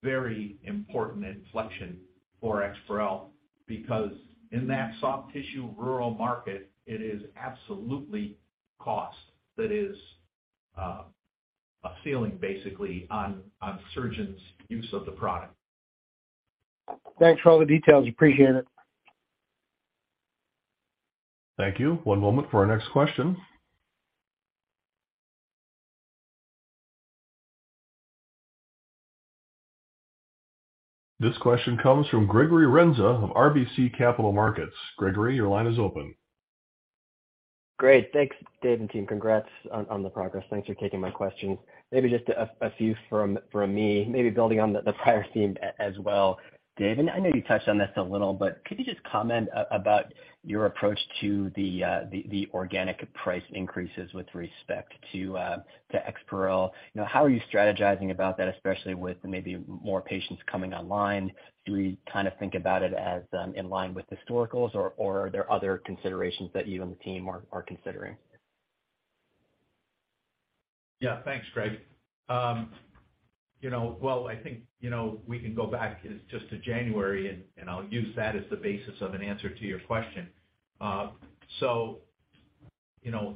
[SPEAKER 3] very important inflection for EXPAREL because in that soft tissue rural market, it is absolutely cost that is a feeling basically on surgeons' use of the product.
[SPEAKER 7] Thanks for all the details. Appreciate it.
[SPEAKER 1] Thank you. One moment for our next question. This question comes from Gregory Renza of RBC Capital Markets. Gregory, your line is open.
[SPEAKER 8] Great. Thanks, Dave and team. Congrats on the progress. Thanks for taking my questions. Maybe just a few from me, maybe building on the prior theme as well. Dave, and I know you touched on this a little, but could you just comment about your approach to the organic price increases with respect to EXPAREL? You know, how are you strategizing about that, especially with maybe more patients coming online? Do we kind of think about it as in line with historicals or are there other considerations that you and the team are considering?
[SPEAKER 3] Thanks, Greg. You know, well, I think, you know, we can go back just to January, and I'll use that as the basis of an answer to your question. You know,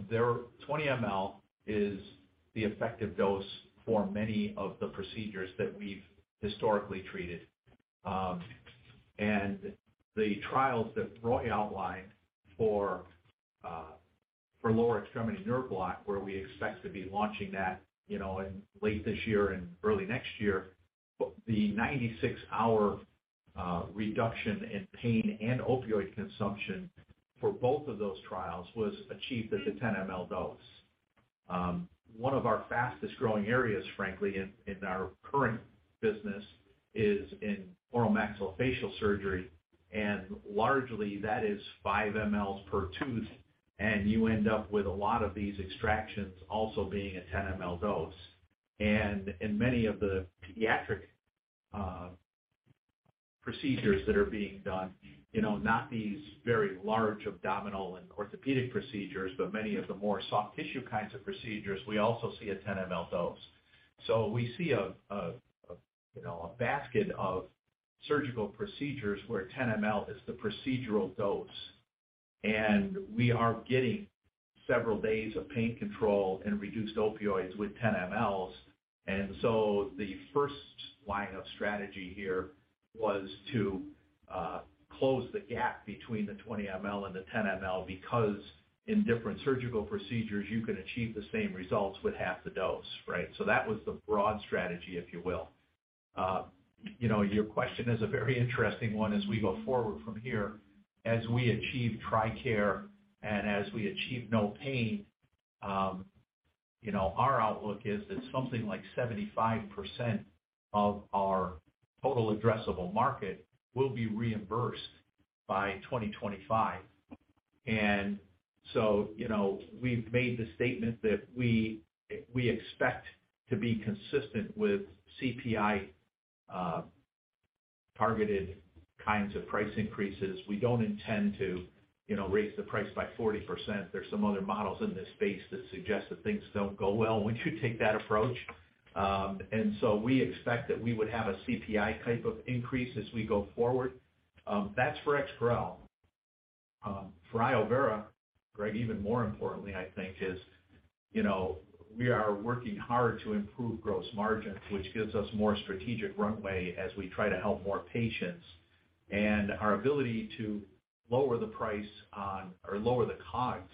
[SPEAKER 3] 20 ml is the effective dose for many of the procedures that we've historically treated. The trials that Roy outlined for lower extremity nerve block, where we expect to be launching that, you know, in late this year and early next year. The 96 hour reduction in pain and opioid consumption for both of those trials was achieved at the 10 ml dose. One of our fastest growing areas, frankly, in our current business is in oral maxillofacial surgery, and largely that is 5 mls per tooth, and you end up with a lot of these extractions also being a 10 ml dose. In many of the pediatric procedures that are being done, you know, not these very large abdominal and orthopedic procedures, but many of the more soft tissue kinds of procedures, we also see a 10 ml dose. We see, you know, a basket of surgical procedures where 10 ml is the procedural dose. We are getting several days of pain control and reduced opioids with 10 mls. The first line of strategy here was to close the gap between the 20 ml and the 10 ml because in different surgical procedures you can achieve the same results with half the dose, right? That was the broad strategy, if you will. You know, your question is a very interesting one as we go forward from here. As we achieve TRICARE and as we achieve no pain, you know, our outlook is that something like 75% of our total addressable market will be reimbursed by 2025. You know, we've made the statement that we expect to be consistent with CPI targeted kinds of price increases. We don't intend to, you know, raise the price by 40%. There's some other models in this space that suggest that things don't go well when you take that approach. We expect that we would have a CPI type of increase as we go forward. That's for EXPAREL. For iovera, Greg, even more importantly, I think is, you know, we are working hard to improve gross margins, which gives us more strategic runway as we try to help more patients. Our ability to lower the price on or lower the COGS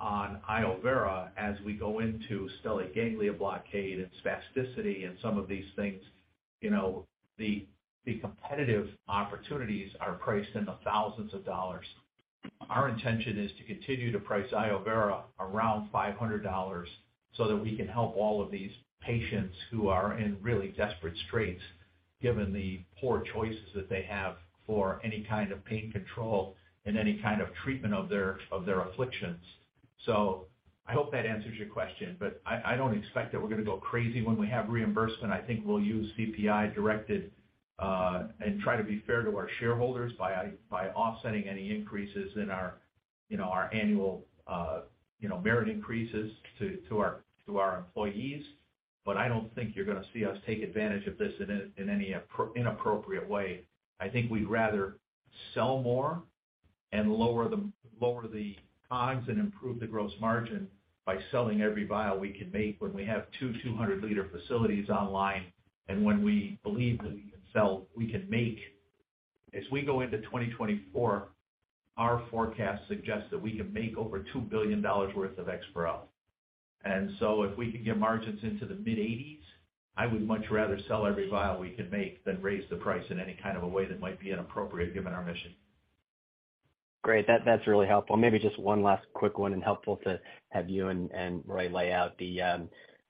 [SPEAKER 3] on iovera as we go into stellate ganglion blockade and spasticity and some of these things, you know, the competitive opportunities are priced in the $thousands. Our intention is to continue to price iovera around $500 so that we can help all of these patients who are in really desperate straits, given the poor choices that they have for any kind of pain control and any kind of treatment of their afflictions. I hope that answers your question, but I don't expect that we're gonna go crazy when we have reimbursement. I think we'll use CPI directed and try to be fair to our shareholders by offsetting any increases in our, you know, our annual, you know, merit increases to our employees. I don't think you're gonna see us take advantage of this in any inappropriate way. I think we'd rather sell more and lower the COGS and improve the gross margin by selling every vial we can make when we have 200 liter facilities online. When we believe that we can make. As we go into 2024, our forecast suggests that we can make over $2 billion worth of EXPAREL. If we can get margins into the mid-80s, I would much rather sell every vial we can make than raise the price in any kind of a way that might be inappropriate given our mission.
[SPEAKER 8] Great. That's really helpful. Maybe just one last quick one and helpful to have you and Roy lay out the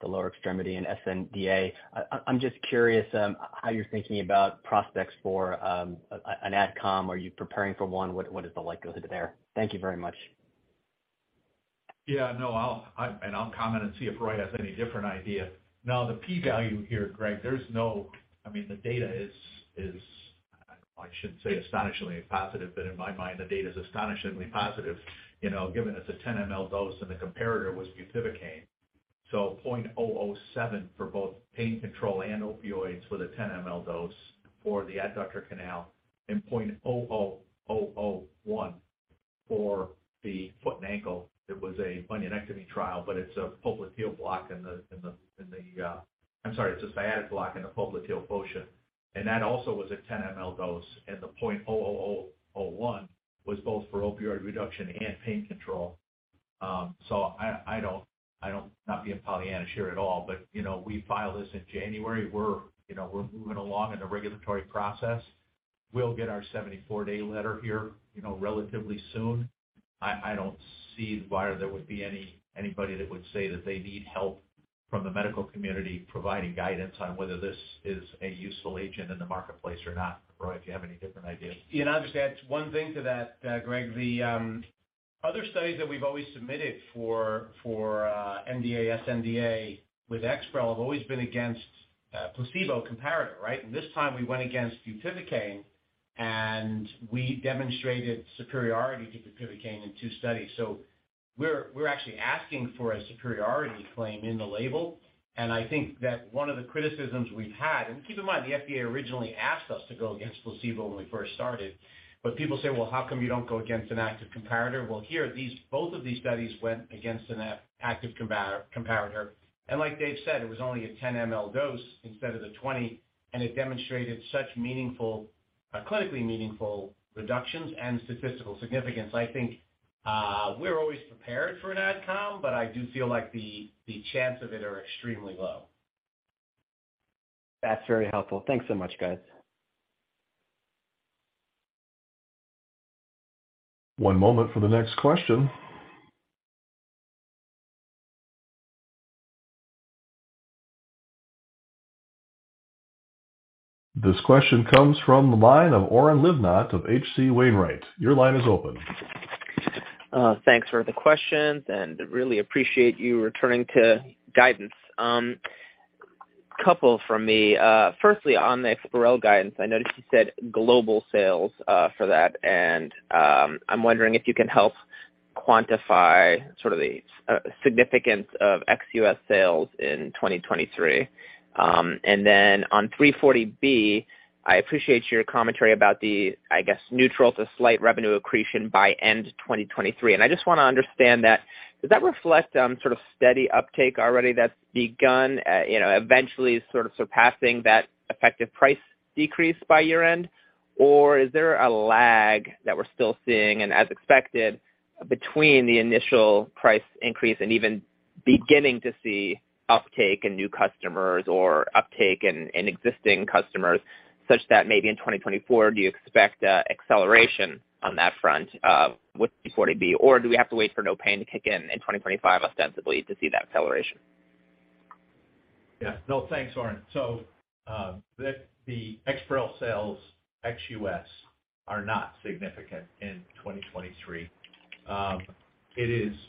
[SPEAKER 8] lower extremity and sNDA. I'm just curious how you're thinking about prospects for an AdCom. Are you preparing for one? What is the likelihood there? Thank you very much.
[SPEAKER 3] No, I'll comment and see if Roy has any different idea. The P-value here, Greg, I mean, the data is I shouldn't say astonishingly positive, but in my mind, the data is astonishingly positive. You know, given it's a 10 ml dose and the comparator was bupivacaine. Point 0.07 for both pain control and opioids with a 10 ml dose for the adductor canal and 0.0001 for the foot and ankle. It was a bunionectomy trial, but it's a popliteal block. I'm sorry, it's a sciatic block in the popliteal fossa. That also was a 10 ml dose, and the 0.0001 was both for opioid reduction and pain control. I don't not being Pollyanna-ish here at all, but, you know, we filed this in January. We're, you know, we're moving along in the regulatory process. We'll get our 74-day letter here, you know, relatively soon. I don't see why there would be anybody that would say that they need help from the medical community providing guidance on whether this is a useful agent in the marketplace or not, or if you have any different ideas.
[SPEAKER 4] Yeah, I'll just add one thing to that, Greg. The other studies that we've always submitted for NDA, sNDA with EXPAREL have always been against a placebo comparator, right? This time we went against bupivacaine, and we demonstrated superiority to bupivacaine in two studies. We're actually asking for a superiority claim in the label, and I think that one of the criticisms we've had. Keep in mind, the FDA originally asked us to go against placebo when we first started. People say, "Well, how come you don't go against an active comparator?" Here, these both of these studies went against an active comparator. Like Dave said, it was only a 10 ml dose instead of the 20, and it demonstrated such meaningful clinically meaningful reductions and statistical significance. I think, we're always prepared for an AdCom, but I do feel like the chance of it are extremely low.
[SPEAKER 9] That's very helpful. Thanks so much, guys.
[SPEAKER 1] One moment for the next question. This question comes from the line of Oren Livnat of H.C. Wainwright. Your line is open.
[SPEAKER 9] Thanks for the questions, and really appreciate you returning to guidance. Couple from me. Firstly, on the EXPAREL guidance, I noticed you said global sales for that. I'm wondering if you can help quantify sort of the significance of ex-U.S. sales in 2023. Then on 340B, I appreciate your commentary about the, I guess, neutral to slight revenue accretion by end 2023. I just wanna understand that, does that reflect sort of steady uptake already that's begun, you know, eventually sort of surpassing that effective price decrease by year-end? Is there a lag that we're still seeing, and as expected, between the initial price increase and even beginning to see uptake in new customers or uptake in existing customers such that maybe in 2024, do you expect a acceleration on that front, with 340B, or do we have to wait for NOPAIN Act to kick in in 2025 ostensibly to see that acceleration?
[SPEAKER 3] No, thanks, Oren. The EXPAREL sales ex-U.S. are not significant in 2023.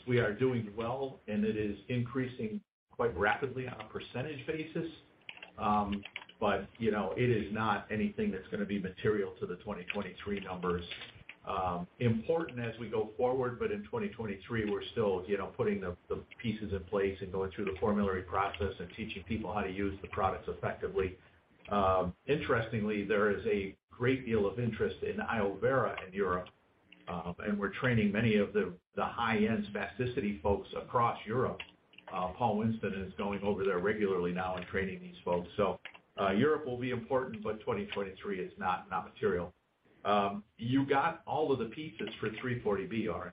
[SPEAKER 3] We are doing well, and it is increasing quite rapidly on a percentage basis. You know, it is not anything that's gonna be material to the 2023 numbers. Important as we go forward, in 2023, we're still, you know, putting the pieces in place and going through the formulary process and teaching people how to use the products effectively. Interestingly, there is a great deal of interest in iovera in Europe, we're training many of the high-end spasticity folks across Europe. Paul Winston is going over there regularly now and training these folks. Europe will be important but 2023 is not material. You got all of the pieces for 340B, Oren.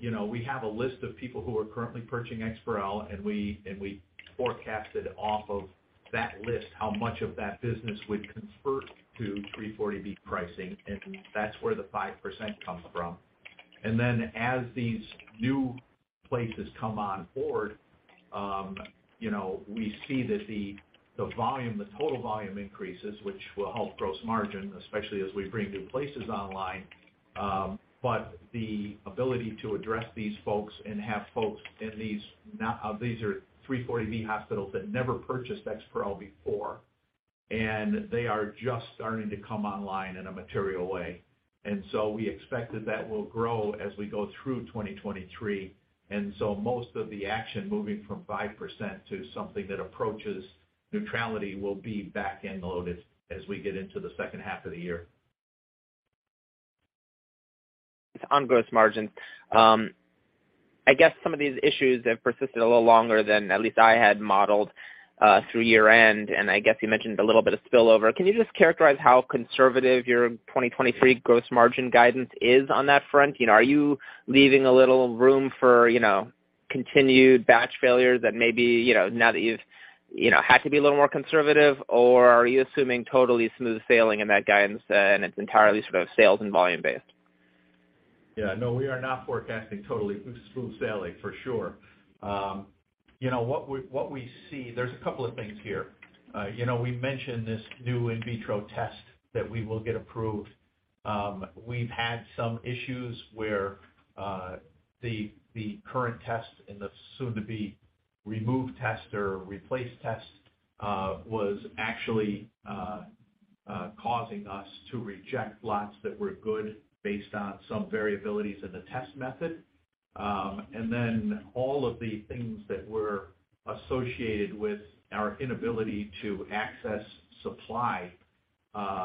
[SPEAKER 3] You know, we have a list of people who are currently purchasing EXPAREL, and we forecasted off of that list how much of that business would convert to 340B pricing, and that's where the 5% comes from. As these new places come on board, you know, we see that the volume, the total volume increases, which will help gross margin, especially as we bring new places online. The ability to address these folks and have folks in these are 340B hospitals that never purchased EXPAREL before, and they are just starting to come online in a material way. We expect that that will grow as we go through 2023. Most of the action moving from 5% to something that approaches neutrality will be back-end loaded as we get into the second half of the year.
[SPEAKER 9] On gross margin, I guess some of these issues have persisted a little longer than at least I had modeled through year-end, and I guess you mentioned a little bit of spillover. Can you just characterize how conservative your 2023 gross margin guidance is on that front? You know, are you leaving a little room for, you know, continued batch failures that maybe, you know, now that you've, you know, had to be a little more conservative, or are you assuming totally smooth sailing in that guidance and it's entirely sort of sales and volume based?
[SPEAKER 3] Yeah. No, we are not forecasting totally smooth sailing, for sure. You know, what we see. There's a couple of things here. You know, we mentioned this new in vitro test that we will get approved. We've had some issues where the current test and the soon-to-be removed test or replaced test was actually causing us to reject lots that were good based on some variabilities in the test method. All of the things that were associated with our inability to access supply are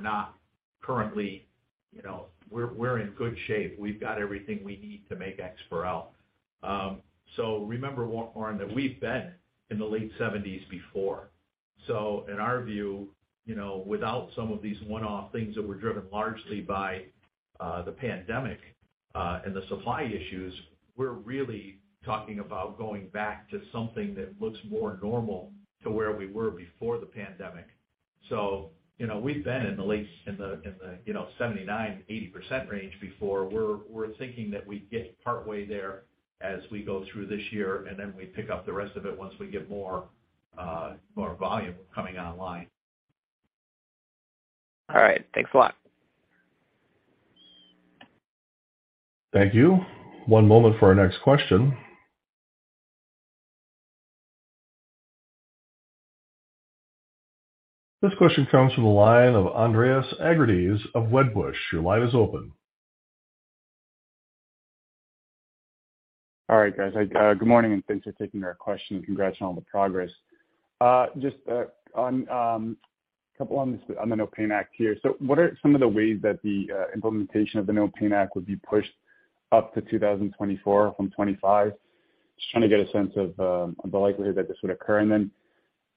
[SPEAKER 3] not currently. You know, we're in good shape. We've got everything we need to make EXPAREL. Remember, Oren, that we've been in the late 70s before. In our view, you know, without some of these one-off things that were driven largely by the pandemic and the supply issues, we're really talking about going back to something that looks more normal to where we were before the pandemic. You know, we've been in the, you know, 79%-80% range before. We're thinking that we get partway there as we go through this year, and then we pick up the rest of it once we get more volume coming online.
[SPEAKER 10] All right. Thanks a lot.
[SPEAKER 1] Thank you. One moment for our next question. This question comes from the line of Andreas Argyrides of Wedbush. Your line is open.
[SPEAKER 11] All right, guys. Good morning, thanks for taking our question, congrats on all the progress. just on couple on this, on the NOPAIN Act here. What are some of the ways that the implementation of the NOPAIN Act would be pushed up to 2024 from 2025? Just trying to get a sense of the likelihood that this would occur. Then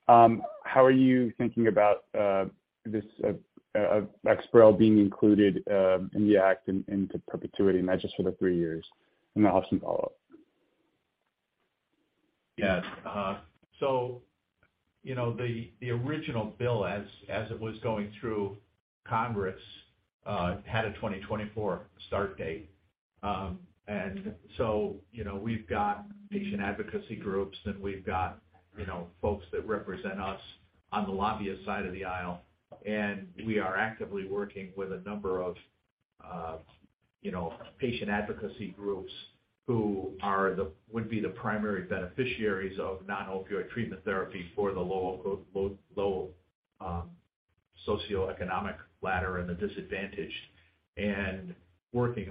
[SPEAKER 11] how are you thinking about this EXPAREL being included in the act in into perpetuity, not just for the three years? Then I'll have some follow-up.
[SPEAKER 3] You know, the original bill as it was going through Congress had a 2024 start date. You know, we've got patient advocacy groups, and we've got, you know, folks that represent us on the lobbyist side of the aisle. We are actively working with a number of, you know, patient advocacy groups who would be the primary beneficiaries of non-opioid treatment therapy for the low socioeconomic ladder and the disadvantaged, and working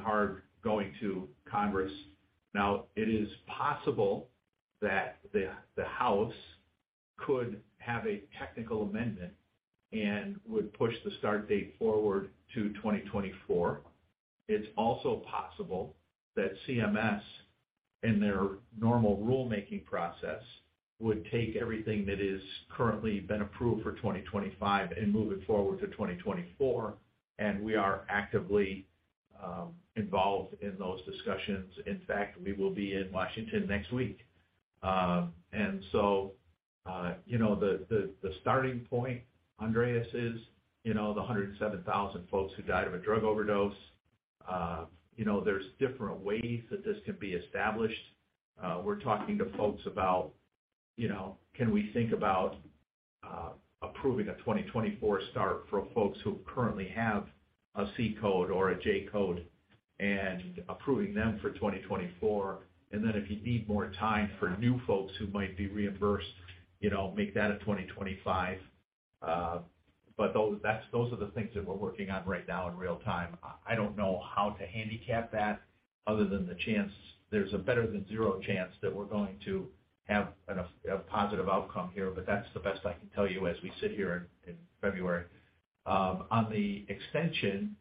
[SPEAKER 3] hard going to Congress. It is possible that the House could have a technical amendment and would push the start date forward to 2024. It's also possible that CMS, in their normal rulemaking process, would take everything that is currently been approved for 2025 and move it forward to 2024. We are actively involved in those discussions. In fact, we will be in Washington next week. You know, the, the starting point, Andreas Argyrides, is, you know, the 107,000 folks who died of a drug overdose. You know, there's different ways that this can be established. We're talking to folks about, you know, can we think about approving a 2024 start for folks who currently have a C-Code or a J-Code and approving them for 2024. If you need more time for new folks who might be reimbursed, you know, make that a 2025. those are the things that we're working on right now in real time. I don't know how to handicap that other than the chance there's a better than 0 chance that we're going to have a positive outcome here, but that's the best I can tell you as we sit here in February. On the extension,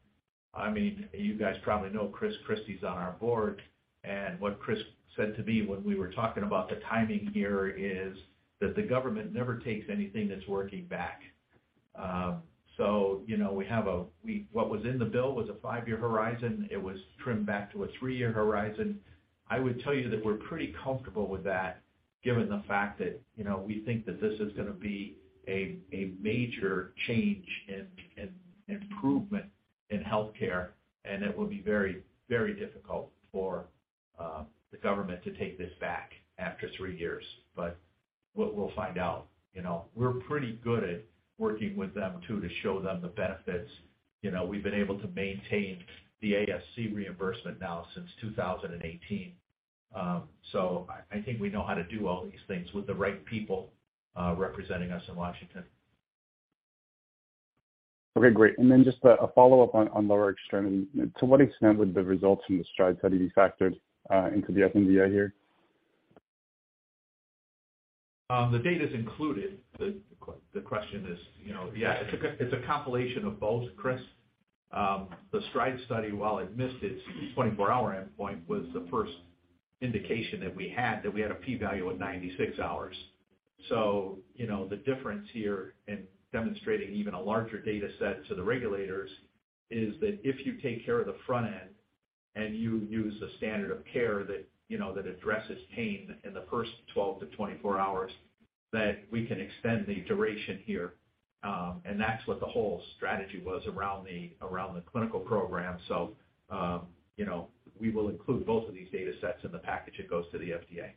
[SPEAKER 3] I mean, you guys probably know Chris Christie's on our board, and what Chris said to me when we were talking about the timing here is that the government never takes anything that's working back. You know, what was in the bill was a 5-year horizon. It was trimmed back to a three-year horizon. I would tell you that we're pretty comfortable with that given the fact that, you know, we think that this is gonna be a major change and improvement in healthcare, and it will be very, very difficult for the government to take this back after three years. We'll find out, you know. We're pretty good at working with them too to show them the benefits. You know, we've been able to maintain the ASC reimbursement now since 2018. I think we know how to do all these things with the right people, representing us in Washington.
[SPEAKER 11] Okay. Great. Then just a follow-up on lower extremity. To what extent would the results from the STRIDE study be factored into the FDA here?
[SPEAKER 3] The data's included. The question is, you know, yeah, it's a compilation of both, Chris. The STRIDE study, while it missed its 24-hour endpoint, was the first indication that we had that we had a P value at 96 hours. You know, the difference here in demonstrating even a larger data set to the regulators is that if you take care of the front end and you use a standard of care that, you know, that addresses pain in the first 12 to 24 hours, that we can extend the duration here. That's what the whole strategy was around the clinical program. You know, we will include both of these data sets in the package that goes to the FDA.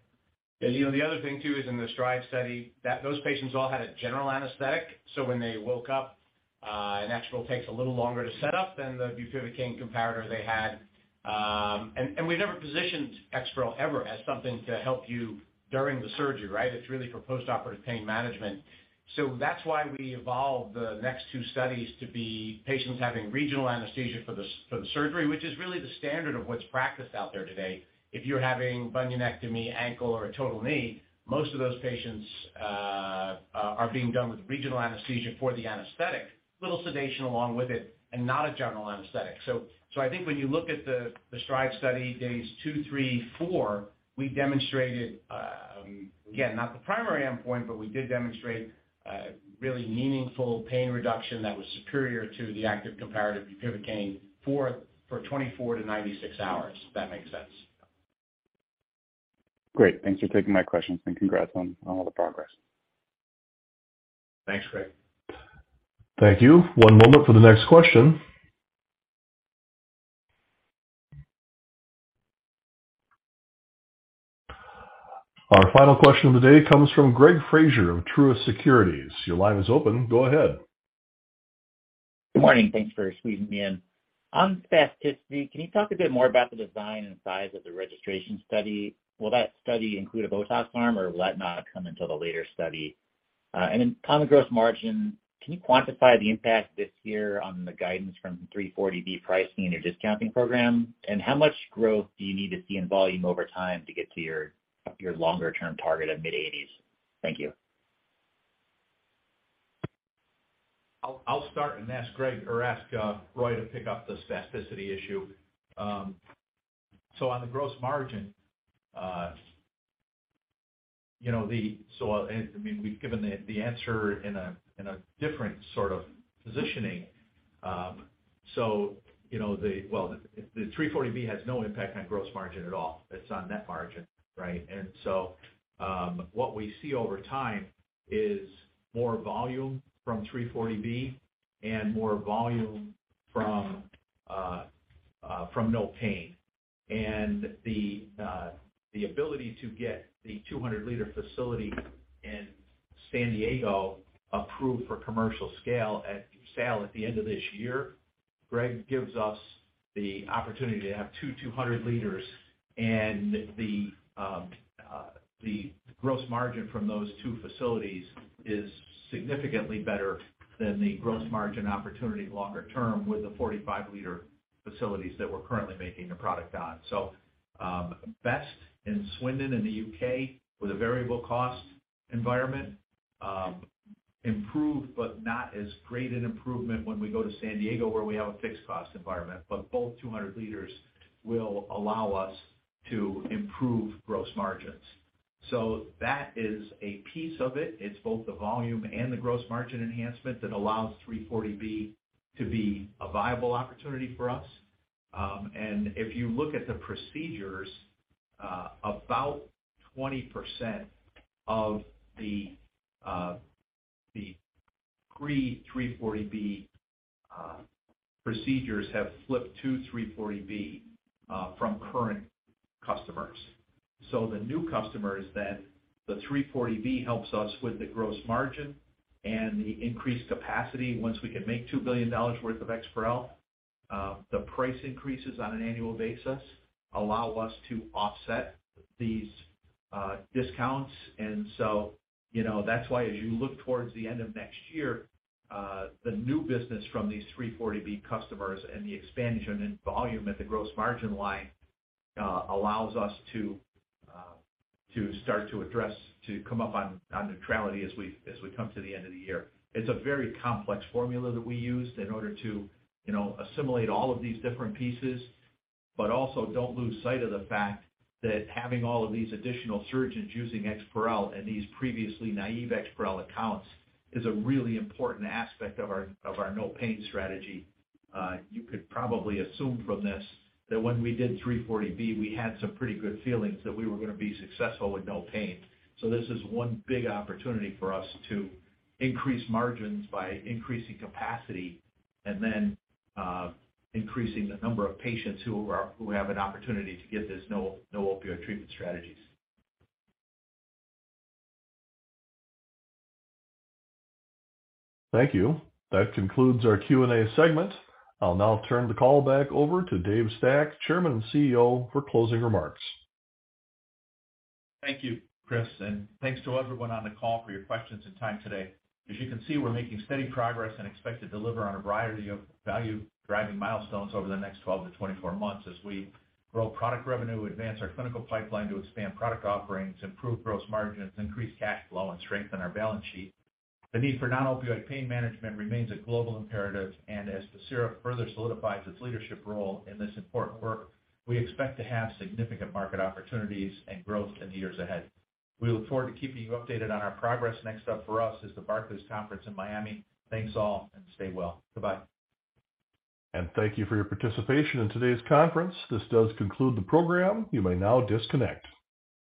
[SPEAKER 3] You know, the other thing too is in the STRIDE study, that those patients all had a general anesthetic. When they woke up, and EXPAREL takes a little longer to set up than the bupivacaine comparator they had. And we never positioned EXPAREL ever as something to help you during the surgery, right? It's really for postoperative pain management. That's why we evolved the next two studies to be patients having regional anesthesia for the surgery, which is really the standard of what's practiced out there today. If you're having bunionectomy, ankle or a total knee, most of those patients are being done with regional anesthesia for the anesthetic, little sedation along with it, and not a general anesthetic. I think when you look at the STRIDE study days two, three, four, we demonstrated, again, not the primary endpoint, but we did demonstrate really meaningful pain reduction that was superior to the active comparative bupivacaine for 24-96 hours, if that makes sense.
[SPEAKER 11] Great. Thanks for taking my questions. Congrats on all the progress.
[SPEAKER 3] Thanks, Greg.
[SPEAKER 1] Thank you. One moment for the next question. Our final question of the day comes from Greg Fraser of Truist Securities. Your line is open. Go ahead.
[SPEAKER 10] Good morning. Thanks for squeezing me in. On spasticity, can you talk a bit more about the design and size of the registration study? Will that study include a Botox arm or will that not come until the later study? Then on the gross margin, can you quantify the impact this year on the guidance from 340B pricing and your discounting program? How much growth do you need to see in volume over time to get to your longer term target of mid-80s%? Thank you.
[SPEAKER 3] I'll start and ask Greg or ask Roy to pick up the spasticity issue. On the gross margin, you know, I mean, we've given the answer in a different sort of positioning. You know, well, the 340B has no impact on gross margin at all. It's on net margin, right? What we see over time is more volume from 340B and more volume from NOPAIN. The ability to get the 200 liter facility in San Diego approved for commercial scale at sale at the end of this year, Greg, gives us the opportunity to have 2, 200 liters. The gross margin from those two facilities is significantly better than the gross margin opportunity longer term with the 45 liter facilities that we're currently making a product on. Best in Swindon in the UK with a variable cost environment. Improved, but not as great an improvement when we go to San Diego where we have a fixed cost environment. Both 200 liters will allow us to improve gross margins. That is a piece of it. It's both the volume and the gross margin enhancement that allows 340B to be a viable opportunity for us. If you look at the procedures, about 20% of the pre-340B procedures have flipped to 340B from current customers. The new customers, the 340B helps us with the gross margin and the increased capacity once we can make $2 billion worth of EXPAREL. The price increases on an annual basis allow us to offset these discounts. You know, that's why as you look towards the end of next year, the new business from these 340B customers and the expansion in volume at the gross margin line, allows us to start to address, to come up on neutrality as we come to the end of the year. It's a very complex formula that we used in order to, you know, assimilate all of these different pieces, but also don't lose sight of the fact that having all of these additional surgeons using EXPAREL and these previously naive EXPAREL accounts is a really important aspect of our, of our no pain strategy. You could probably assume from this that when we did 340B, we had some pretty good feelings that we were gonna be successful with no pain. This is one big opportunity for us to increase margins by increasing capacity and then increasing the number of patients who have an opportunity to get this no opioid treatment strategies.
[SPEAKER 1] Thank you. That concludes our Q&A segment. I'll now turn the call back over to David Stack, Chairman and CEO, for closing remarks.
[SPEAKER 3] Thank you, Chris. Thanks to everyone on the call for your questions and time today. As you can see, we're making steady progress and expect to deliver on a variety of value-driving milestones over the next 12-24 months as we grow product revenue, advance our clinical pipeline to expand product offerings, improve gross margins, increase cash flow, and strengthen our balance sheet. The need for non-opioid pain management remains a global imperative. As Pacira further solidifies its leadership role in this important work, we expect to have significant market opportunities and growth in the years ahead. We look forward to keeping you updated on our progress. Next up for us is the Barclays Conference in Miami. Thanks all. Stay well. Bye-bye.
[SPEAKER 1] Thank you for your participation in today's conference. This does conclude the program. You may now disconnect.